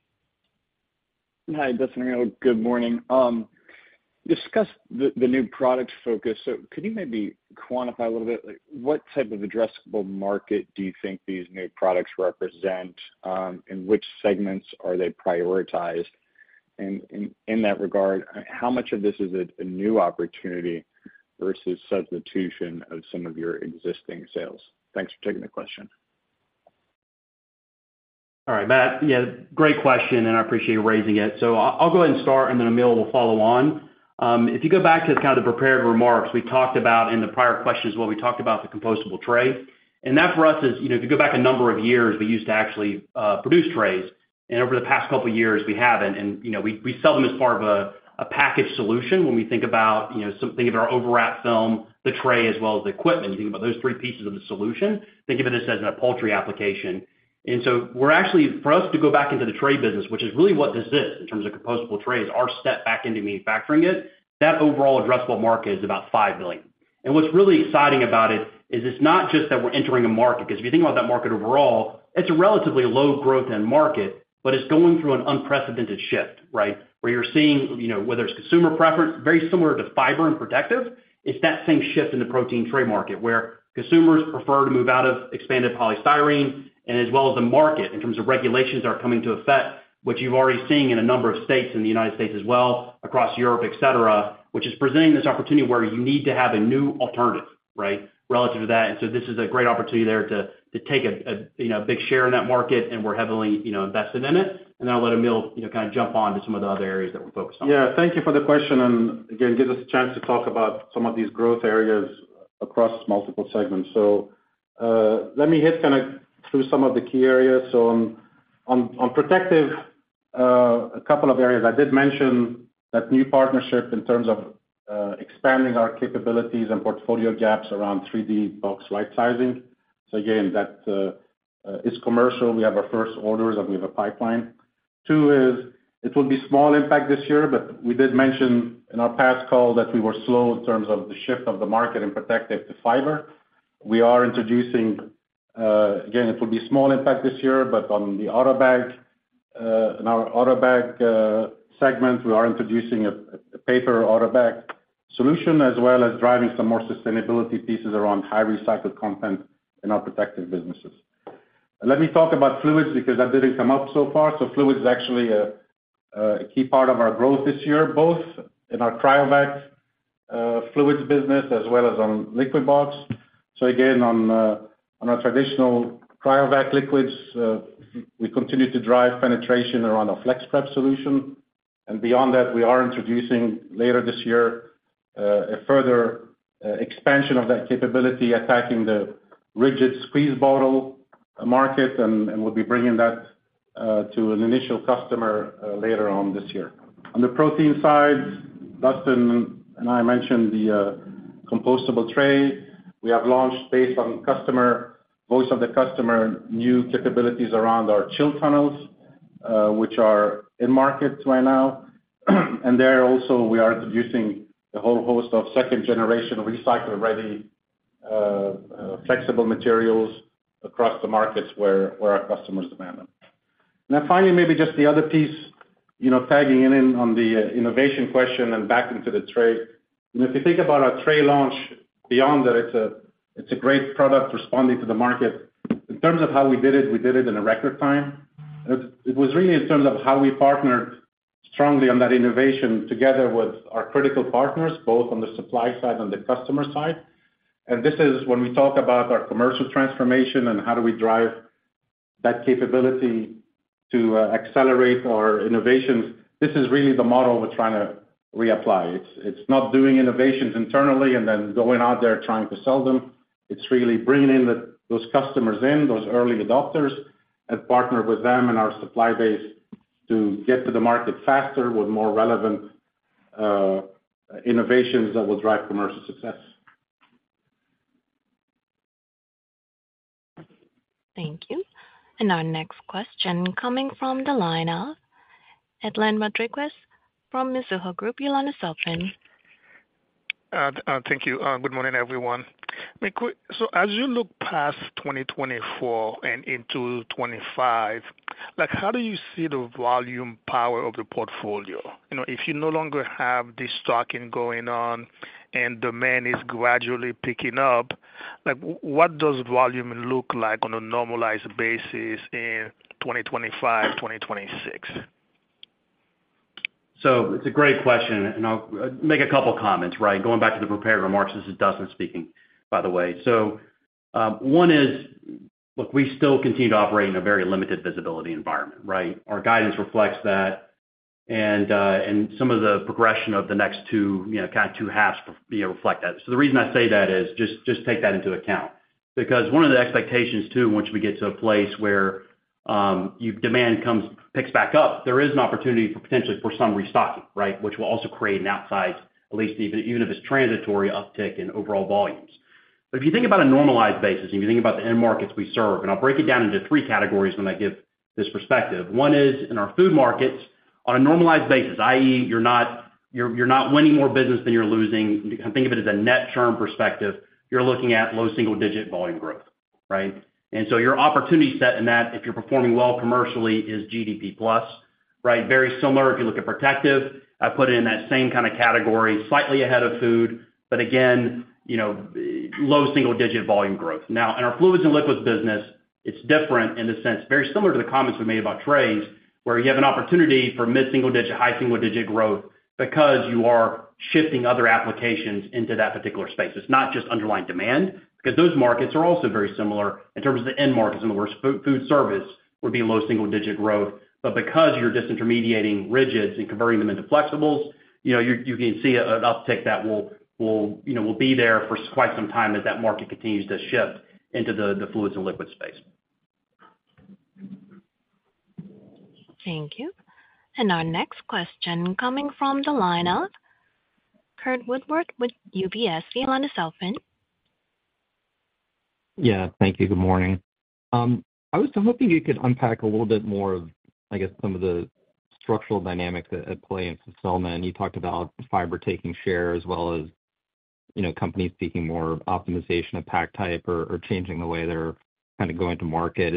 Hi, Dustin and Emile. Good morning. Discuss the new product focus. Could you maybe quantify a little bit? What type of addressable market do you think these new products represent? In which segments are they prioritized? And in that regard, how much of this is a new opportunity versus substitution of some of your existing sales? Thanks for taking the question. All right, Matt. Yeah, great question, and I appreciate you raising it. So I'll go ahead and start, and then Emile will follow on. If you go back to kind of the prepared remarks we talked about in the prior questions, well, we talked about the compostable tray. And that for us is if you go back a number of years, we used to actually produce trays. And over the past couple of years, we haven't. And we sell them as part of a package solution. When we think of our overwrap film, the tray, as well as the equipment, you think about those three pieces of the solution, think of it as a poultry application. So for us to go back into the tray business, which is really what this is in terms of compostable trays, our step back into manufacturing it, that overall addressable market is about $5 billion. And what's really exciting about it is it's not just that we're entering a market because if you think about that market overall, it's a relatively low-growth-end market, but it's going through an unprecedented shift, right, where you're seeing whether it's consumer preference, very similar to fiber and protective, it's that same shift in the protein tray market where consumers prefer to move out of expanded polystyrene. And as well as the market in terms of regulations that are coming to effect, which you've already seen in a number of states in the United States as well, across Europe, etc., which is presenting this opportunity where you need to have a new alternative, right, relative to that. And so this is a great opportunity there to take a big share in that market, and we're heavily invested in it. And then I'll let Emile kind of jump on to some of the other areas that we're focused on. Yeah. Thank you for the question. And again, give us a chance to talk about some of these growth areas across multiple segments. So let me hit kind of through some of the key areas. So on Protective, a couple of areas. I did mention that new partnership in terms of expanding our capabilities and portfolio gaps around 3D box right-sizing. So again, that is commercial. We have our first orders, and we have a pipeline. Two, it will be small impact this year, but we did mention in our past call that we were slow in terms of the shift of the market in protective to fiber. We are introducing again, it will be small impact this year, but on the AUTOBAG in our AUTOBAG segment, we are introducing a paper AUTOBAG solution as well as driving some more sustainability pieces around high-recycled content in our protective businesses. Let me talk about fluids because that didn't come up so far. So fluid is actually a key part of our growth this year, both in our Cryovac fluids business as well as on Liquibox. So again, on our traditional Cryovac liquids, we continue to drive penetration around a FlexPrep solution. And beyond that, we are introducing later this year a further expansion of that capability, attacking the rigid squeeze bottle market, and we'll be bringing that to an initial customer later on this year. On the protein side, Dustin and I mentioned the compostable tray. We have launched based on customer voice of the customer new capabilities around our chill tunnels, which are in market right now. And there also, we are introducing a whole host of second-generation recycle-ready flexible materials across the markets where our customers demand them. And then finally, maybe just the other piece tagging in on the innovation question and back into the tray. If you think about our tray launch, beyond that, it's a great product responding to the market. In terms of how we did it, we did it in a record time. It was really in terms of how we partnered strongly on that innovation together with our critical partners, both on the supply side and the customer side. And this is when we talk about our commercial transformation and how do we drive that capability to accelerate our innovations. This is really the model we're trying to reapply. It's not doing innovations internally and then going out there trying to sell them. It's really bringing those customers in, those early adopters, and partner with them and our supply base to get to the market faster with more relevant innovations that will drive commercial success. Thank you. And our next question coming from the line of` Edlain Rodriguez from Mizuho Group. Your line is open. Thank you. Good morning, everyone. So as you look past 2024 and into 2025, how do you see the volume power of the portfolio? If you no longer have this destocking going on and demand is gradually picking up, what does volume look like on a normalized basis in 2025, 2026? So it's a great question, and I'll make a couple of comments, right, going back to the prepared remarks. This is Dustin speaking, by the way. So one is, look, we still continue to operate in a very limited visibility environment, right? Our guidance reflects that, and some of the progression of the next two kind of two halves reflect that. So the reason I say that is just take that into account because one of the expectations, too, once we get to a place where demand picks back up, there is an opportunity potentially for some restocking, right, which will also create an upside, at least even if it's transitory, uptick in overall volumes. But if you think about a normalized basis, and if you think about the end markets we serve, and I'll break it down into three categories when I give this perspective, one is in our food markets, on a normalized basis, i.e., you're not winning more business than you're losing. Think of it as a net term perspective. You're looking at low single-digit volume growth, right? And so your opportunity set in that, if you're performing well commercially, is GDP plus, right? Very similar if you look at protective. I put it in that same kind of category, slightly ahead of food, but again, low single-digit volume growth. Now, in our fluids and liquids business, it's different in the sense, very similar to the comments we made about trays, where you have an opportunity for mid-single-digit, high-single-digit growth because you are shifting other applications into that particular space. It's not just underlying demand because those markets are also very similar in terms of the end markets. In other words, food service would be low single-digit growth. But because you're just intermediating rigids and converting them into flexibles, you can see an uptick that will be there for quite some time as that market continues to shift into the fluids and liquids space. Thank you. And our next question coming from the line of Curt Woodworth with UBS. Your line is open. Yeah. Thank you. Good morning. I was hoping you could unpack a little bit more of, I guess, some of the structural dynamics at play in fulfillment. And you talked about fiber taking share as well as companies seeking more optimization of pack type or changing the way they're kind of going to market.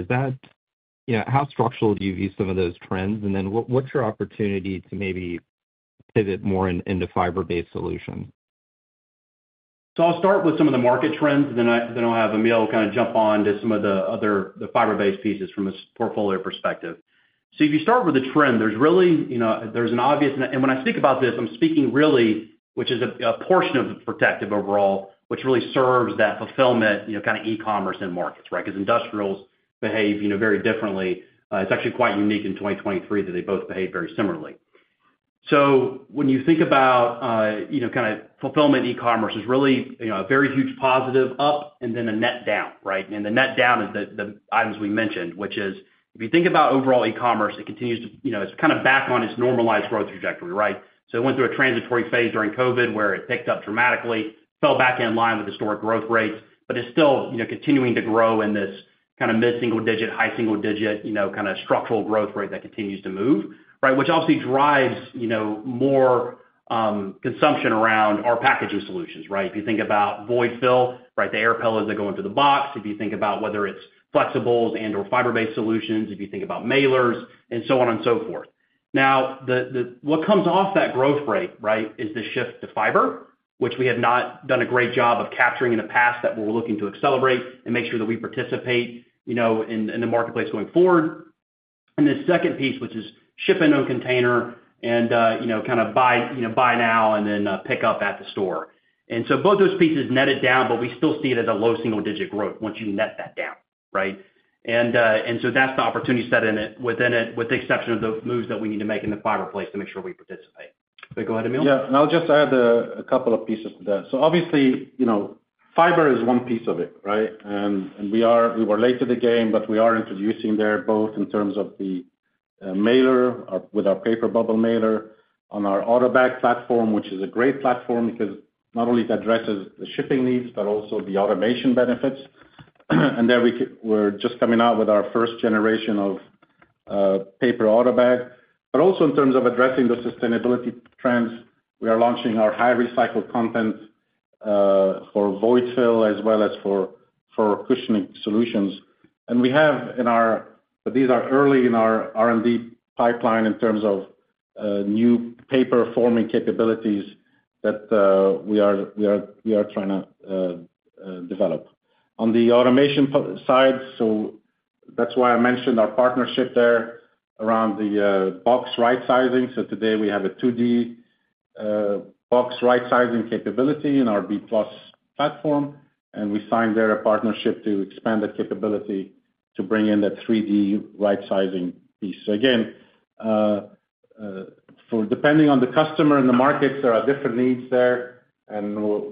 How structural do you view some of those trends? And then what's your opportunity to maybe pivot more into fiber-based solutions? So I'll start with some of the market trends, and then I'll have Emile kind of jump on to some of the other fiber-based pieces from a portfolio perspective. So if you start with the trend, there's really an obvious one, and when I speak about this, I'm speaking really, which is a portion of the protective overall, which really serves that fulfillment kind of e-commerce end markets, right, because industrials behave very differently. It's actually quite unique in 2023 that they both behave very similarly. So when you think about kind of fulfillment e-commerce, it's really a very huge positive up and then a net down, right? And the net down is the items we mentioned, which is if you think about overall e-commerce, it continues to. It's kind of back on its normalized growth trajectory, right? So it went through a transitory phase during COVID where it picked up dramatically, fell back in line with historic growth rates, but it's still continuing to grow in this kind of mid-single-digit, high-single-digit kind of structural growth rate that continues to move, right, which obviously drives more consumption around our packaging solutions, right? If you think about void fill, sright, the air pillow that go into the box. If you think about whether it's flexibles and/or fiber-based solutions, if you think about mailers, and so on and so forth. Now, what comes off that growth rate, right, is the shift to fiber, which we have not done a great job of capturing in the past that we're looking to accelerate and make sure that we participate in the marketplace going forward. The second piece, which is ship-in-own-container and kind of buy online and then pick up at the store. So both those pieces netted down, but we still see it as a low single-digit growth once you net that down, right? So that's the opportunity set within it, with the exception of the moves that we need to make in the fiber space to make sure we participate. But go ahead, Emile. Yeah. I'll just add a couple of pieces to that. So obviously, fiber is one piece of it, right? We were late to the game, but we are introducing there both in terms of the mailer with our paper bubble mailer on our AUTOBAG platform, which is a great platform because not only it addresses the shipping needs but also the automation benefits. There we're just coming out with our first generation of paper AUTOBAG. But also in terms of addressing the sustainability trends, we are launching our high-recycled content for void fill as well as for cushioning solutions. And we have in our but these are early in our R&D pipeline in terms of new paper-forming capabilities that we are trying to develop. On the automation side, that's why I mentioned our partnership there around the box right-sizing. So today, we have a 2D box right-sizing capability in our B+ platform, and we signed there a partnership to expand that capability to bring in that 3D right-sizing piece. So again, depending on the customer and the markets, there are different needs there, and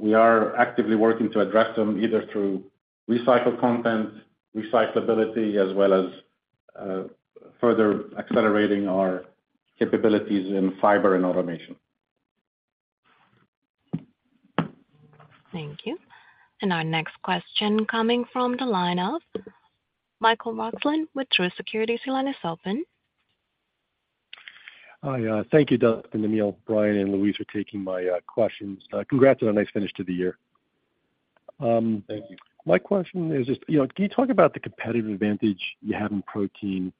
we are actively working to address them either through recycled content, recyclability, as well as further accelerating our capabilities in fiber and automation. Thank you. And our next question coming from the line of Michael Roxland with Truist Securities. Your line is open. Hi, thank you, Dustin, Emile, Brian, and team for taking my questions. Congrats on a nice finish to the year. Thank you. My question is just, can you talk about the competitive advantage you have in protein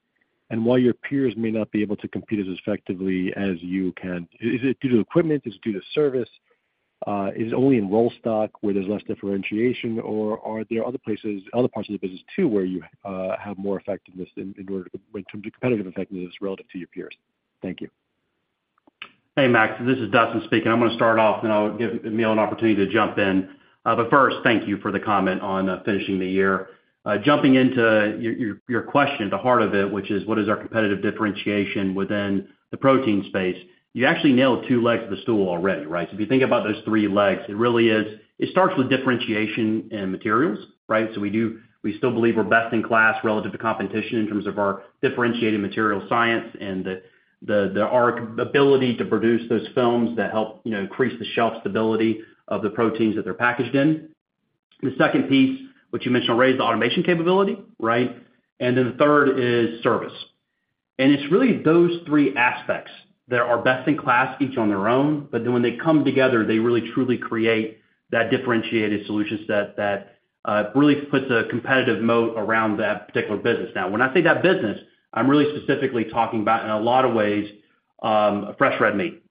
and why your peers may not be able to compete as effectively as you can? Is it due to equipment? Is it due to service? Is it only in roll stock where there's less differentiation, or are there other parts of the business, too, where you have more effectiveness in terms of competitive effectiveness relative to your peers? Thank you. Hey, Mike. This is Dustin speaking. I'm going to start off, and then I'll give Emile an opportunity to jump in. But first, thank you for the comment on finishing the year. Jumping into your question, the heart of it, which is, what is our competitive differentiation within the protein space? You actually nailed two legs of the stool already, right? So if you think about those three legs, it starts with differentiation in materials, right? So we still believe we're best in class relative to competition in terms of our differentiating material science and our ability to produce those films that help increase the shelf stability of the proteins that they're packaged in. The second piece, which you mentioned, I'll raise the automation capability, right? And then the third is service. And it's really those three aspects that are best in class each on their own, but then when they come together, they really truly create that differentiated solution set that really puts a competitive moat around that particular business. Now, when I say that business, I'm really specifically talking about, in a lot of ways, fresh red meat.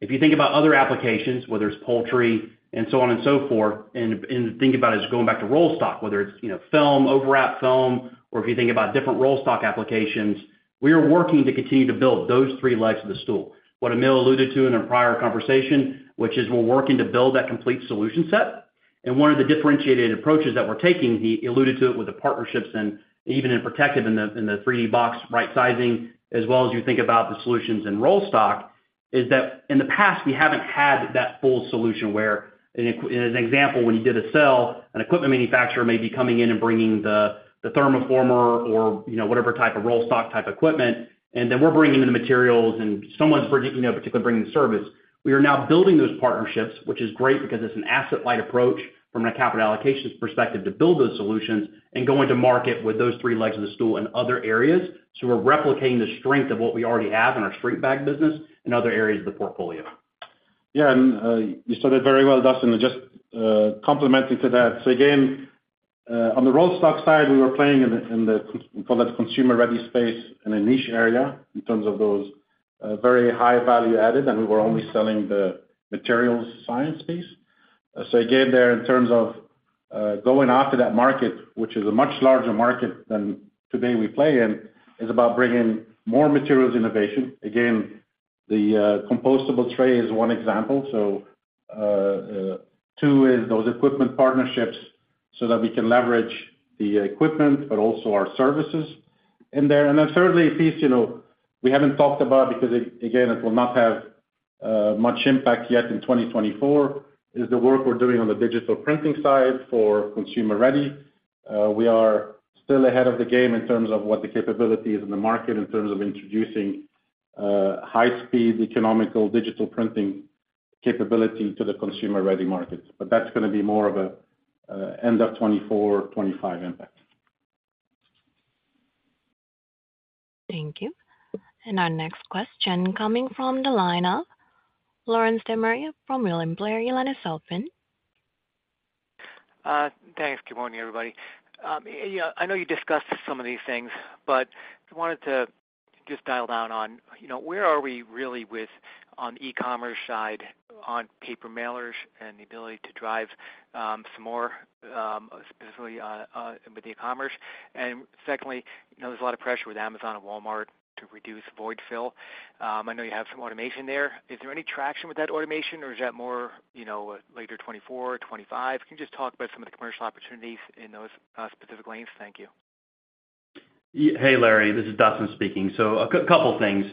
If you think about other applications, whether it's poultry and so on and so forth, and think about it as going back to roll stock, whether it's film, overwrap film, or if you think about different roll stock applications, we are working to continue to build those three legs of the stool, what Emile alluded to in our prior conversation, which is we're working to build that complete solution set. One of the differentiated approaches that we're taking, he alluded to it with the partnerships and even in Protective in the 3D box right-sizing, as well as you think about the solutions in roll stock, is that in the past, we haven't had that full solution where, as an example, when you did a sale, an equipment manufacturer may be coming in and bringing the thermoformer or whatever type of roll stock type equipment, and then we're bringing in the materials, and someone else is bringing the service. We are now building those partnerships, which is great because it's an asset-light approach from a capital allocations perspective to build those solutions and go to market with those three legs of the stool in other areas. So we're replicating the strength of what we already have in our AUTOBAG business in other areas of the portfolio. Yeah. And you said it very well, Dustin, just complementing to that. So again, on the roll stock side, we were playing in the, call that, consumer-ready space in a niche area in terms of those very high value added, and we were only selling the materials science piece. So again, there, in terms of going after that market, which is a much larger market than today we play in, is about bringing more materials innovation. Again, the compostable tray is one example. So two is those equipment partnerships so that we can leverage the equipment but also our services in there. And then thirdly, a piece we haven't talked about because, again, it will not have much impact yet in 2024, is the work we're doing on the digital printing side for consumer-ready. We are still ahead of the game in terms of what the capability is in the market in terms of introducing high-speed economical digital printing capability to the consumer-ready market. But that's going to be more of an end-of-2024, 2025 impact. Thank you. Our next question coming from the line of Lawrence De Maria from William Blair. Your line is open. Thanks. Good morning, everybody. I know you discussed some of these things, but I wanted to just dial down on where are we really on the e-commerce side on paper mailers and the ability to drive some more, specifically with the e-commerce? And secondly, there's a lot of pressure with Amazon and Walmart to reduce void fill. I know you have some automation there. Is there any traction with that automation, or is that more later 2024, 2025? Can you just talk about some of the commercial opportunities in those specific lanes? Thank you. Hey, Larry. This is Dustin speaking. So a couple of things.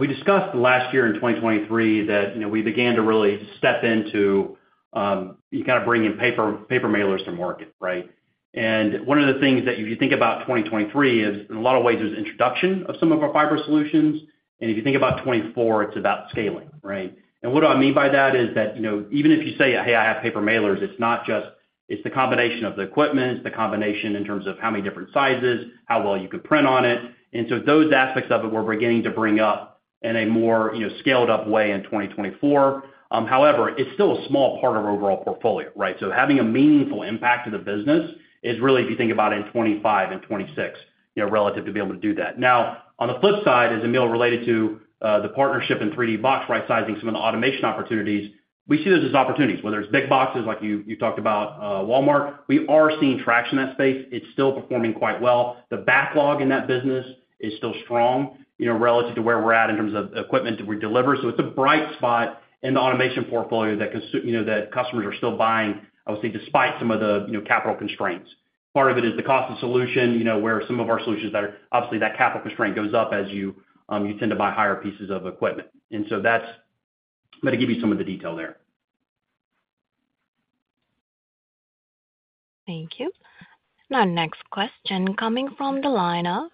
We discussed last year in 2023 that we began to really step into kind of bringing paper mailers to market, right? And one of the things that if you think about 2023, in a lot of ways, it was introduction of some of our fiber solutions. And if you think about 2024, it's about scaling, right? And what do I mean by that is that even if you say, "Hey, I have paper mailers," it's the combination of the equipment, it's the combination in terms of how many different sizes, how well you can print on it. And so those aspects of it we're beginning to bring up in a more scaled-up way in 2024. However, it's still a small part of our overall portfolio, right? So having a meaningful impact to the business is really, if you think about it, in 2025 and 2026 relative to being able to do that. Now, on the flip side, as Emile related to the partnership in 3D box right-sizing, some of the automation opportunities, we see those as opportunities, whether it's big boxes like you talked about, Walmart. We are seeing traction in that space. It's still performing quite well. The backlog in that business is still strong relative to where we're at in terms of equipment that we deliver. So it's a bright spot in the automation portfolio that customers are still buying, I would say, despite some of the capital constraints. Part of it is the cost of solution where some of our solutions that are obviously, that capital constraint goes up as you tend to buy higher pieces of equipment. That's going to give you some of the detail there. Thank you. Our next question coming from the line of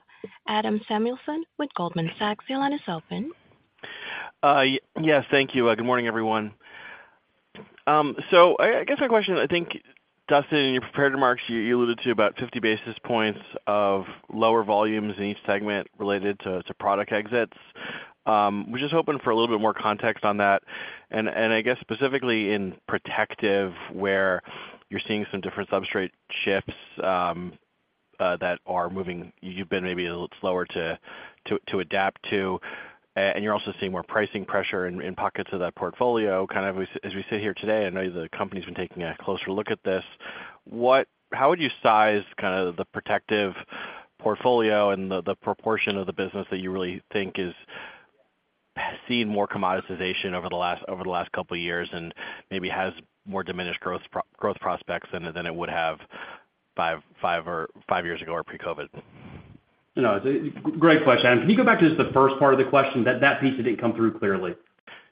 Adam Samuelson with Goldman Sachs. Your line is open. Yes. Thank you. Good morning, everyone. So I guess my question, I think, Dustin, in your preparatory remarks, you alluded to about 50 basis points of lower volumes in each segment related to product exits. We're just hoping for a little bit more context on that. And I guess specifically in protective where you're seeing some different substrate shifts that are moving you've been maybe a little slower to adapt to, and you're also seeing more pricing pressure in pockets of that portfolio. Kind of as we sit here today, I know the company's been taking a closer look at this. How would you size kind of the protective portfolio and the proportion of the business that you really think is seeing more commoditization over the last couple of years and maybe has more diminished growth prospects than it would have five years ago or pre-COVID? Great question, Adam. Can you go back to just the first part of the question? That piece didn't come through clearly.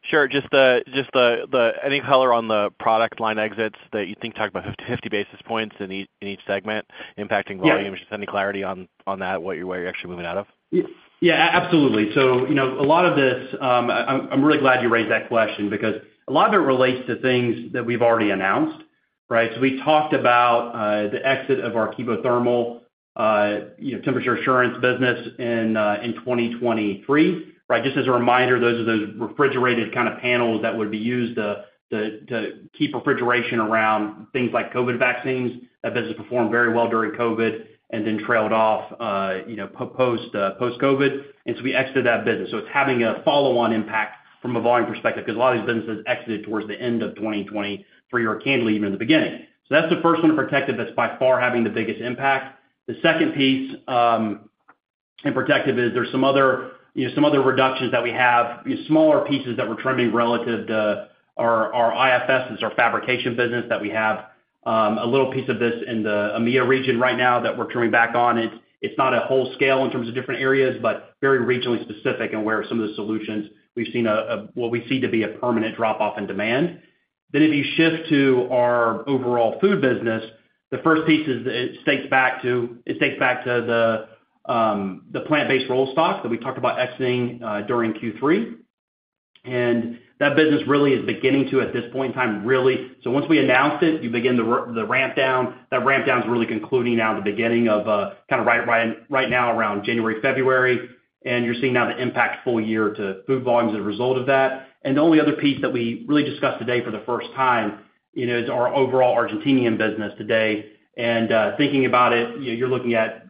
Sure. Just any color on the product line exits that you think talk about 50 basis points in each segment impacting volumes? Just any clarity on that, where you're actually moving out of? Yeah, absolutely. So a lot of this I'm really glad you raised that question because a lot of it relates to things that we've already announced, right? So we talked about the exit of our Kevothermal temperature assurance business in 2023, right? Just as a reminder, those are those refrigerated kind of panels that would be used to keep refrigeration around things like COVID vaccines, that business performed very well during COVID and then trailed off post-COVID. And so we exited that business. So it's having a follow-on impact from a volume perspective because a lot of these businesses exited towards the end of 2020 or kind of even in the beginning. So that's the first one in Protective that's by far having the biggest impact. The second piece in protective is there's some other reductions that we have, smaller pieces that we're trimming relative to our IFS, that's our fabrication business that we have. A little piece of this in the EMEA region right now that we're trimming back on. It's not a whole scale in terms of different areas, but very regionally specific in where some of the solutions we've seen what we see to be a permanent drop-off in demand. Then if you shift to our overall food business, the first piece is it dates back to the plant-based roll stock that we talked about exiting during Q3. And that business really is beginning to, at this point in time, really so once we announced it, you begin the rampdown. That rampdown's really concluding now the beginning of kind of right now around January, February. You're seeing now the impact full year to food volumes as a result of that. The only other piece that we really discussed today for the first time is our overall Argentine business today. Thinking about it, you're looking at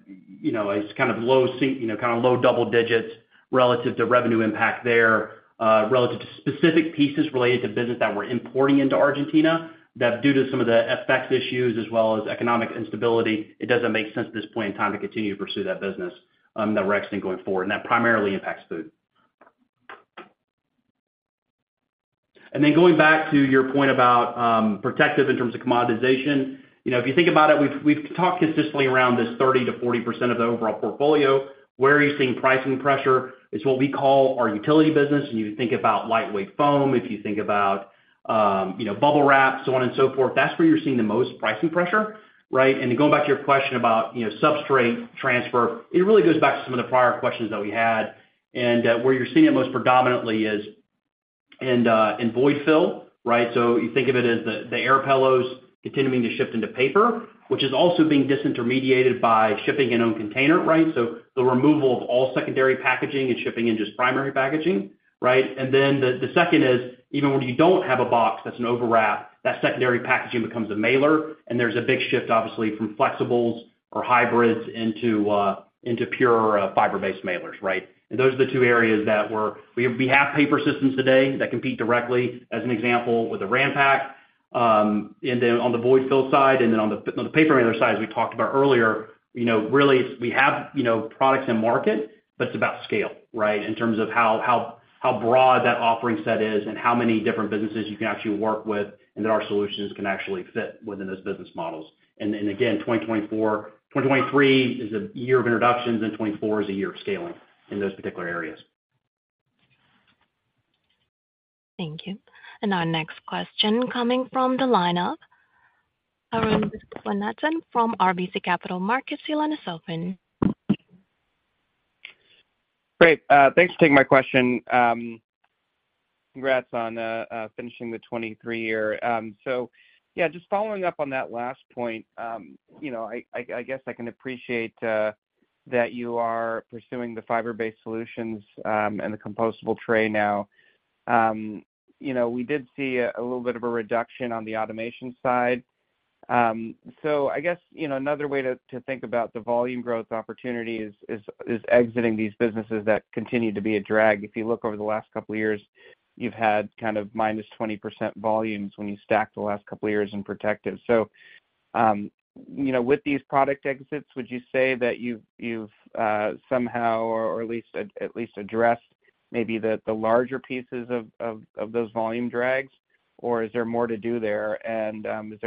kind of low double digits relative to revenue impact there relative to specific pieces related to business that we're importing into Argentina that due to some of the FX issues as well as economic instability, it doesn't make sense at this point in time to continue to pursue that business that we're exiting going forward. That primarily impacts food. Going back to your point about protective in terms of commoditization, if you think about it, we've talked consistently around this 30%-40% of the overall portfolio. Where are you seeing pricing pressure is what we call our utility business. And you think about lightweight foam. If you think about Bubble Wrap, so on and so forth, that's where you're seeing the most pricing pressure, right? And going back to your question about substrate transfer, it really goes back to some of the prior questions that we had. And where you're seeing it most predominantly is in void fill, right? So you think of it as the air pillows continuing to shift into paper, which is also being disintermediated by shipping in own container, right? So the removal of all secondary packaging and shipping in just primary packaging, right? And then the second is even when you don't have a box that's an overwrap, that secondary packaging becomes a mailer. And there's a big shift, obviously, from flexibles or hybrids into pure fiber-based mailers, right? Those are the two areas that we have paper systems today that compete directly, as an example, with the Ranpak on the void fill side. And then on the paper mailer side, as we talked about earlier, really, we have products in market, but it's about scale, right, in terms of how broad that offering set is and how many different businesses you can actually work with and that our solutions can actually fit within those business models. And again, 2023 is a year of introductions, and 2024 is a year of scaling in those particular areas. Thank you. And our next question coming from the line of Arun Viswanathan from RBC Capital Markets. Your line is open. Great. Thanks for taking my question. Congrats on finishing the 2023 year. So yeah, just following up on that last point, I guess I can appreciate that you are pursuing the fiber-based solutions and the compostable tray now. We did see a little bit of a reduction on the automation side. So I guess another way to think about the volume growth opportunities is exiting these businesses that continue to be a drag. If you look over the last couple of years, you've had kind of -20% volumes when you stack the last couple of years in protective. So with these product exits, would you say that you've somehow or at least addressed maybe the larger pieces of those volume drags, or is there more to do there? And is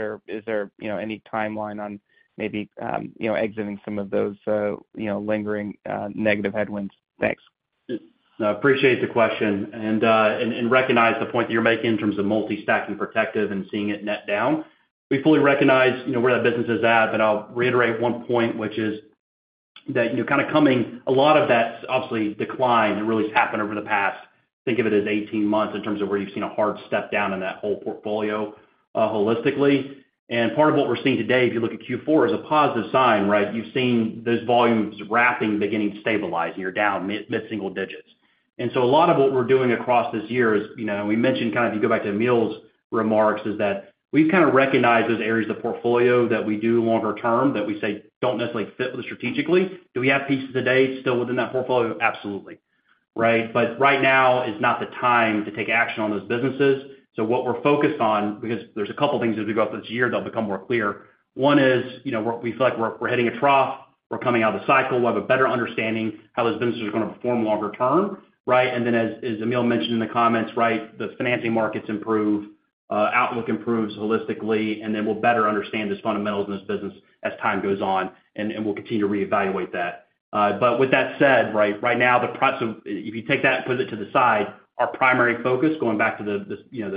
there any timeline on maybe exiting some of those lingering negative headwinds? Thanks. I appreciate the question and recognize the point that you're making in terms of multi-stacking protective and seeing it net down. We fully recognize where that business is at, but I'll reiterate one point, which is that kind of coming a lot of that, obviously, decline that really has happened over the past think of it as 18 months in terms of where you've seen a hard step down in that whole portfolio holistically. And part of what we're seeing today, if you look at Q4, is a positive sign, right? You've seen those volumes wrapping beginning to stabilize. You're down mid-single digits. And so a lot of what we're doing across this year is we mentioned kind of if you go back to Emile's remarks, is that we've kind of recognized those areas of the portfolio that we do longer term that we say don't necessarily fit with us strategically. Do we have pieces today still within that portfolio? Absolutely, right? But right now is not the time to take action on those businesses. So what we're focused on because there's a couple of things as we go through this year that'll become more clear. One is we feel like we're hitting a trough. We're coming out of the cycle. We have a better understanding how those businesses are going to perform longer term, right? And then, as Emile mentioned in the comments, right, the financing markets improve, outlook improves holistically, and then we'll better understand those fundamentals in this business as time goes on, and we'll continue to reevaluate that. But with that said, right, right now, so if you take that and put it to the side, our primary focus, going back to the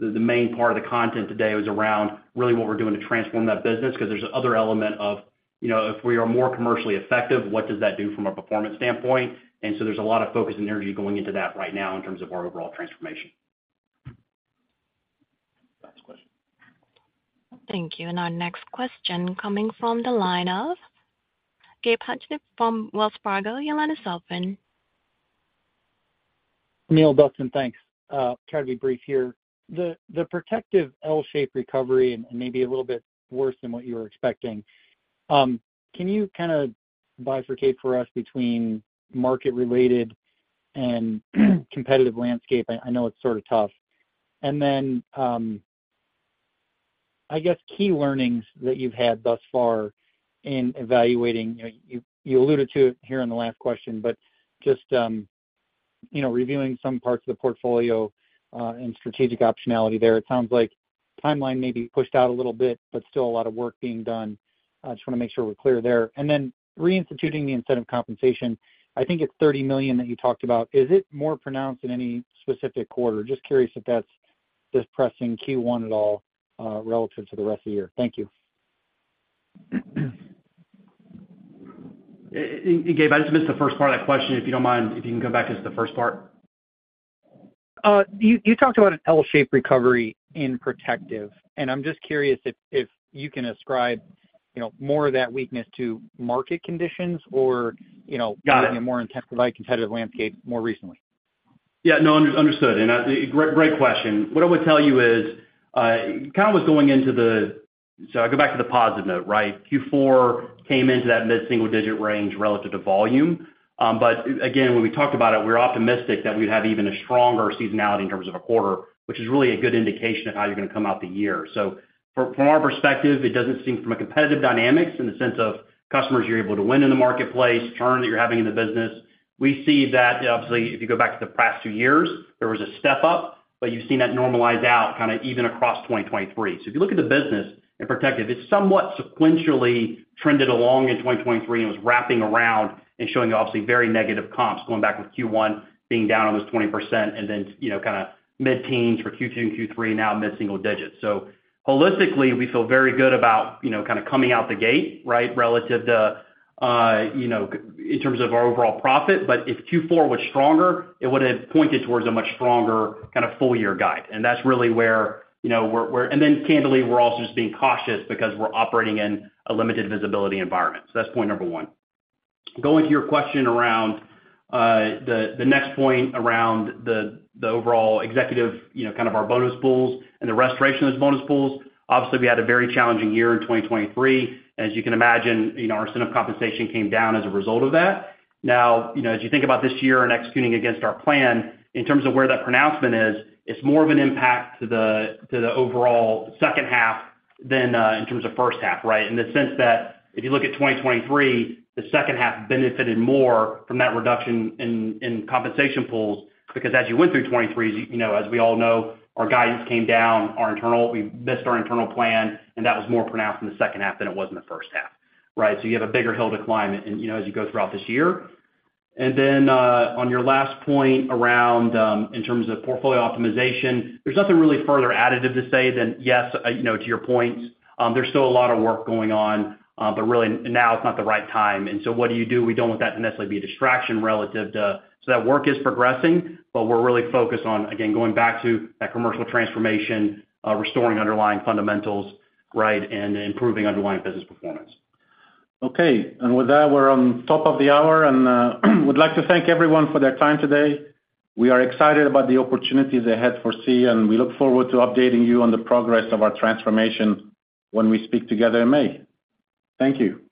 main part of the content today, was around really what we're doing to transform that business because there's another element of if we are more commercially effective, what does that do from a performance standpoint? And so there's a lot of focus and energy going into that right now in terms of our overall transformation. Last question. Thank you. Our next question coming from the line of Gabe Hajde from Wells Fargo. Your line is open. Emile, Dustin, thanks. Tried to be brief here. The Protective L-shaped recovery and maybe a little bit worse than what you were expecting, can you kind of bifurcate for us between market-related and competitive landscape? I know it's sort of tough. Then I guess key learnings that you've had thus far in evaluating you alluded to it here in the last question, but just reviewing some parts of the portfolio and strategic optionality there. It sounds like timeline may be pushed out a little bit, but still a lot of work being done. I just want to make sure we're clear there. Then reinstituting the incentive compensation, I think it's $30 million that you talked about. Is it more pronounced in any specific quarter? Just curious if that's pressing Q1 at all relative to the rest of the year. Thank you. Gabe, I just missed the first part of that question. If you don't mind, if you can go back just to the first part. You talked about an L-shaped recovery in Protective. I'm just curious if you can ascribe more of that weakness to market conditions or maybe a more intensified competitive landscape more recently. Yeah. No, understood. And great question. What I would tell you is kind of what's going into the so I'll go back to the positive note, right? Q4 came into that mid-single digit range relative to volume. But again, when we talked about it, we were optimistic that we would have even a stronger seasonality in terms of a quarter, which is really a good indication of how you're going to come out the year. So from our perspective, it doesn't seem from a competitive dynamics in the sense of customers you're able to win in the marketplace, churn that you're having in the business. We see that, obviously, if you go back to the past two years, there was a step-up, but you've seen that normalize out kind of even across 2023. So if you look at the business in protective, it's somewhat sequentially trended along in 2023 and was wrapping around and showing, obviously, very negative comps, going back with Q1 being down almost 20% and then kind of mid-teens for Q2 and Q3, now mid-single digits. So holistically, we feel very good about kind of coming out the gate, right, relative to in terms of our overall profit. But if Q4 was stronger, it would have pointed towards a much stronger kind of full-year guide. And that's really where we're and then candidly, we're also just being cautious because we're operating in a limited visibility environment. So that's point number one. Going to your question around the next point around the overall executive kind of our bonus pools and the restoration of those bonus pools, obviously, we had a very challenging year in 2023. As you can imagine, our incentive compensation came down as a result of that. Now, as you think about this year and executing against our plan, in terms of where that pronouncement is, it's more of an impact to the overall second half than in terms of first half, right, in the sense that if you look at 2023, the second half benefited more from that reduction in compensation pools because as you went through 2023, as we all know, our guidance came down, our internal we missed our internal plan, and that was more pronounced in the second half than it was in the first half, right? So you have a bigger hill decline as you go throughout this year. And then on your last point around in terms of portfolio optimization, there's nothing really further additive to say than, yes, to your points, there's still a lot of work going on, but really, now is not the right time. And so what do you do? We don't want that to necessarily be a distraction relative to so that work is progressing, but we're really focused on, again, going back to that commercial transformation, restoring underlying fundamentals, right, and improving underlying business performance. Okay. And with that, we're on top of the hour and would like to thank everyone for their time today. We are excited about the opportunities ahead for Sealed Air, and we look forward to updating you on the progress of our transformation when we speak together in May. Thank you.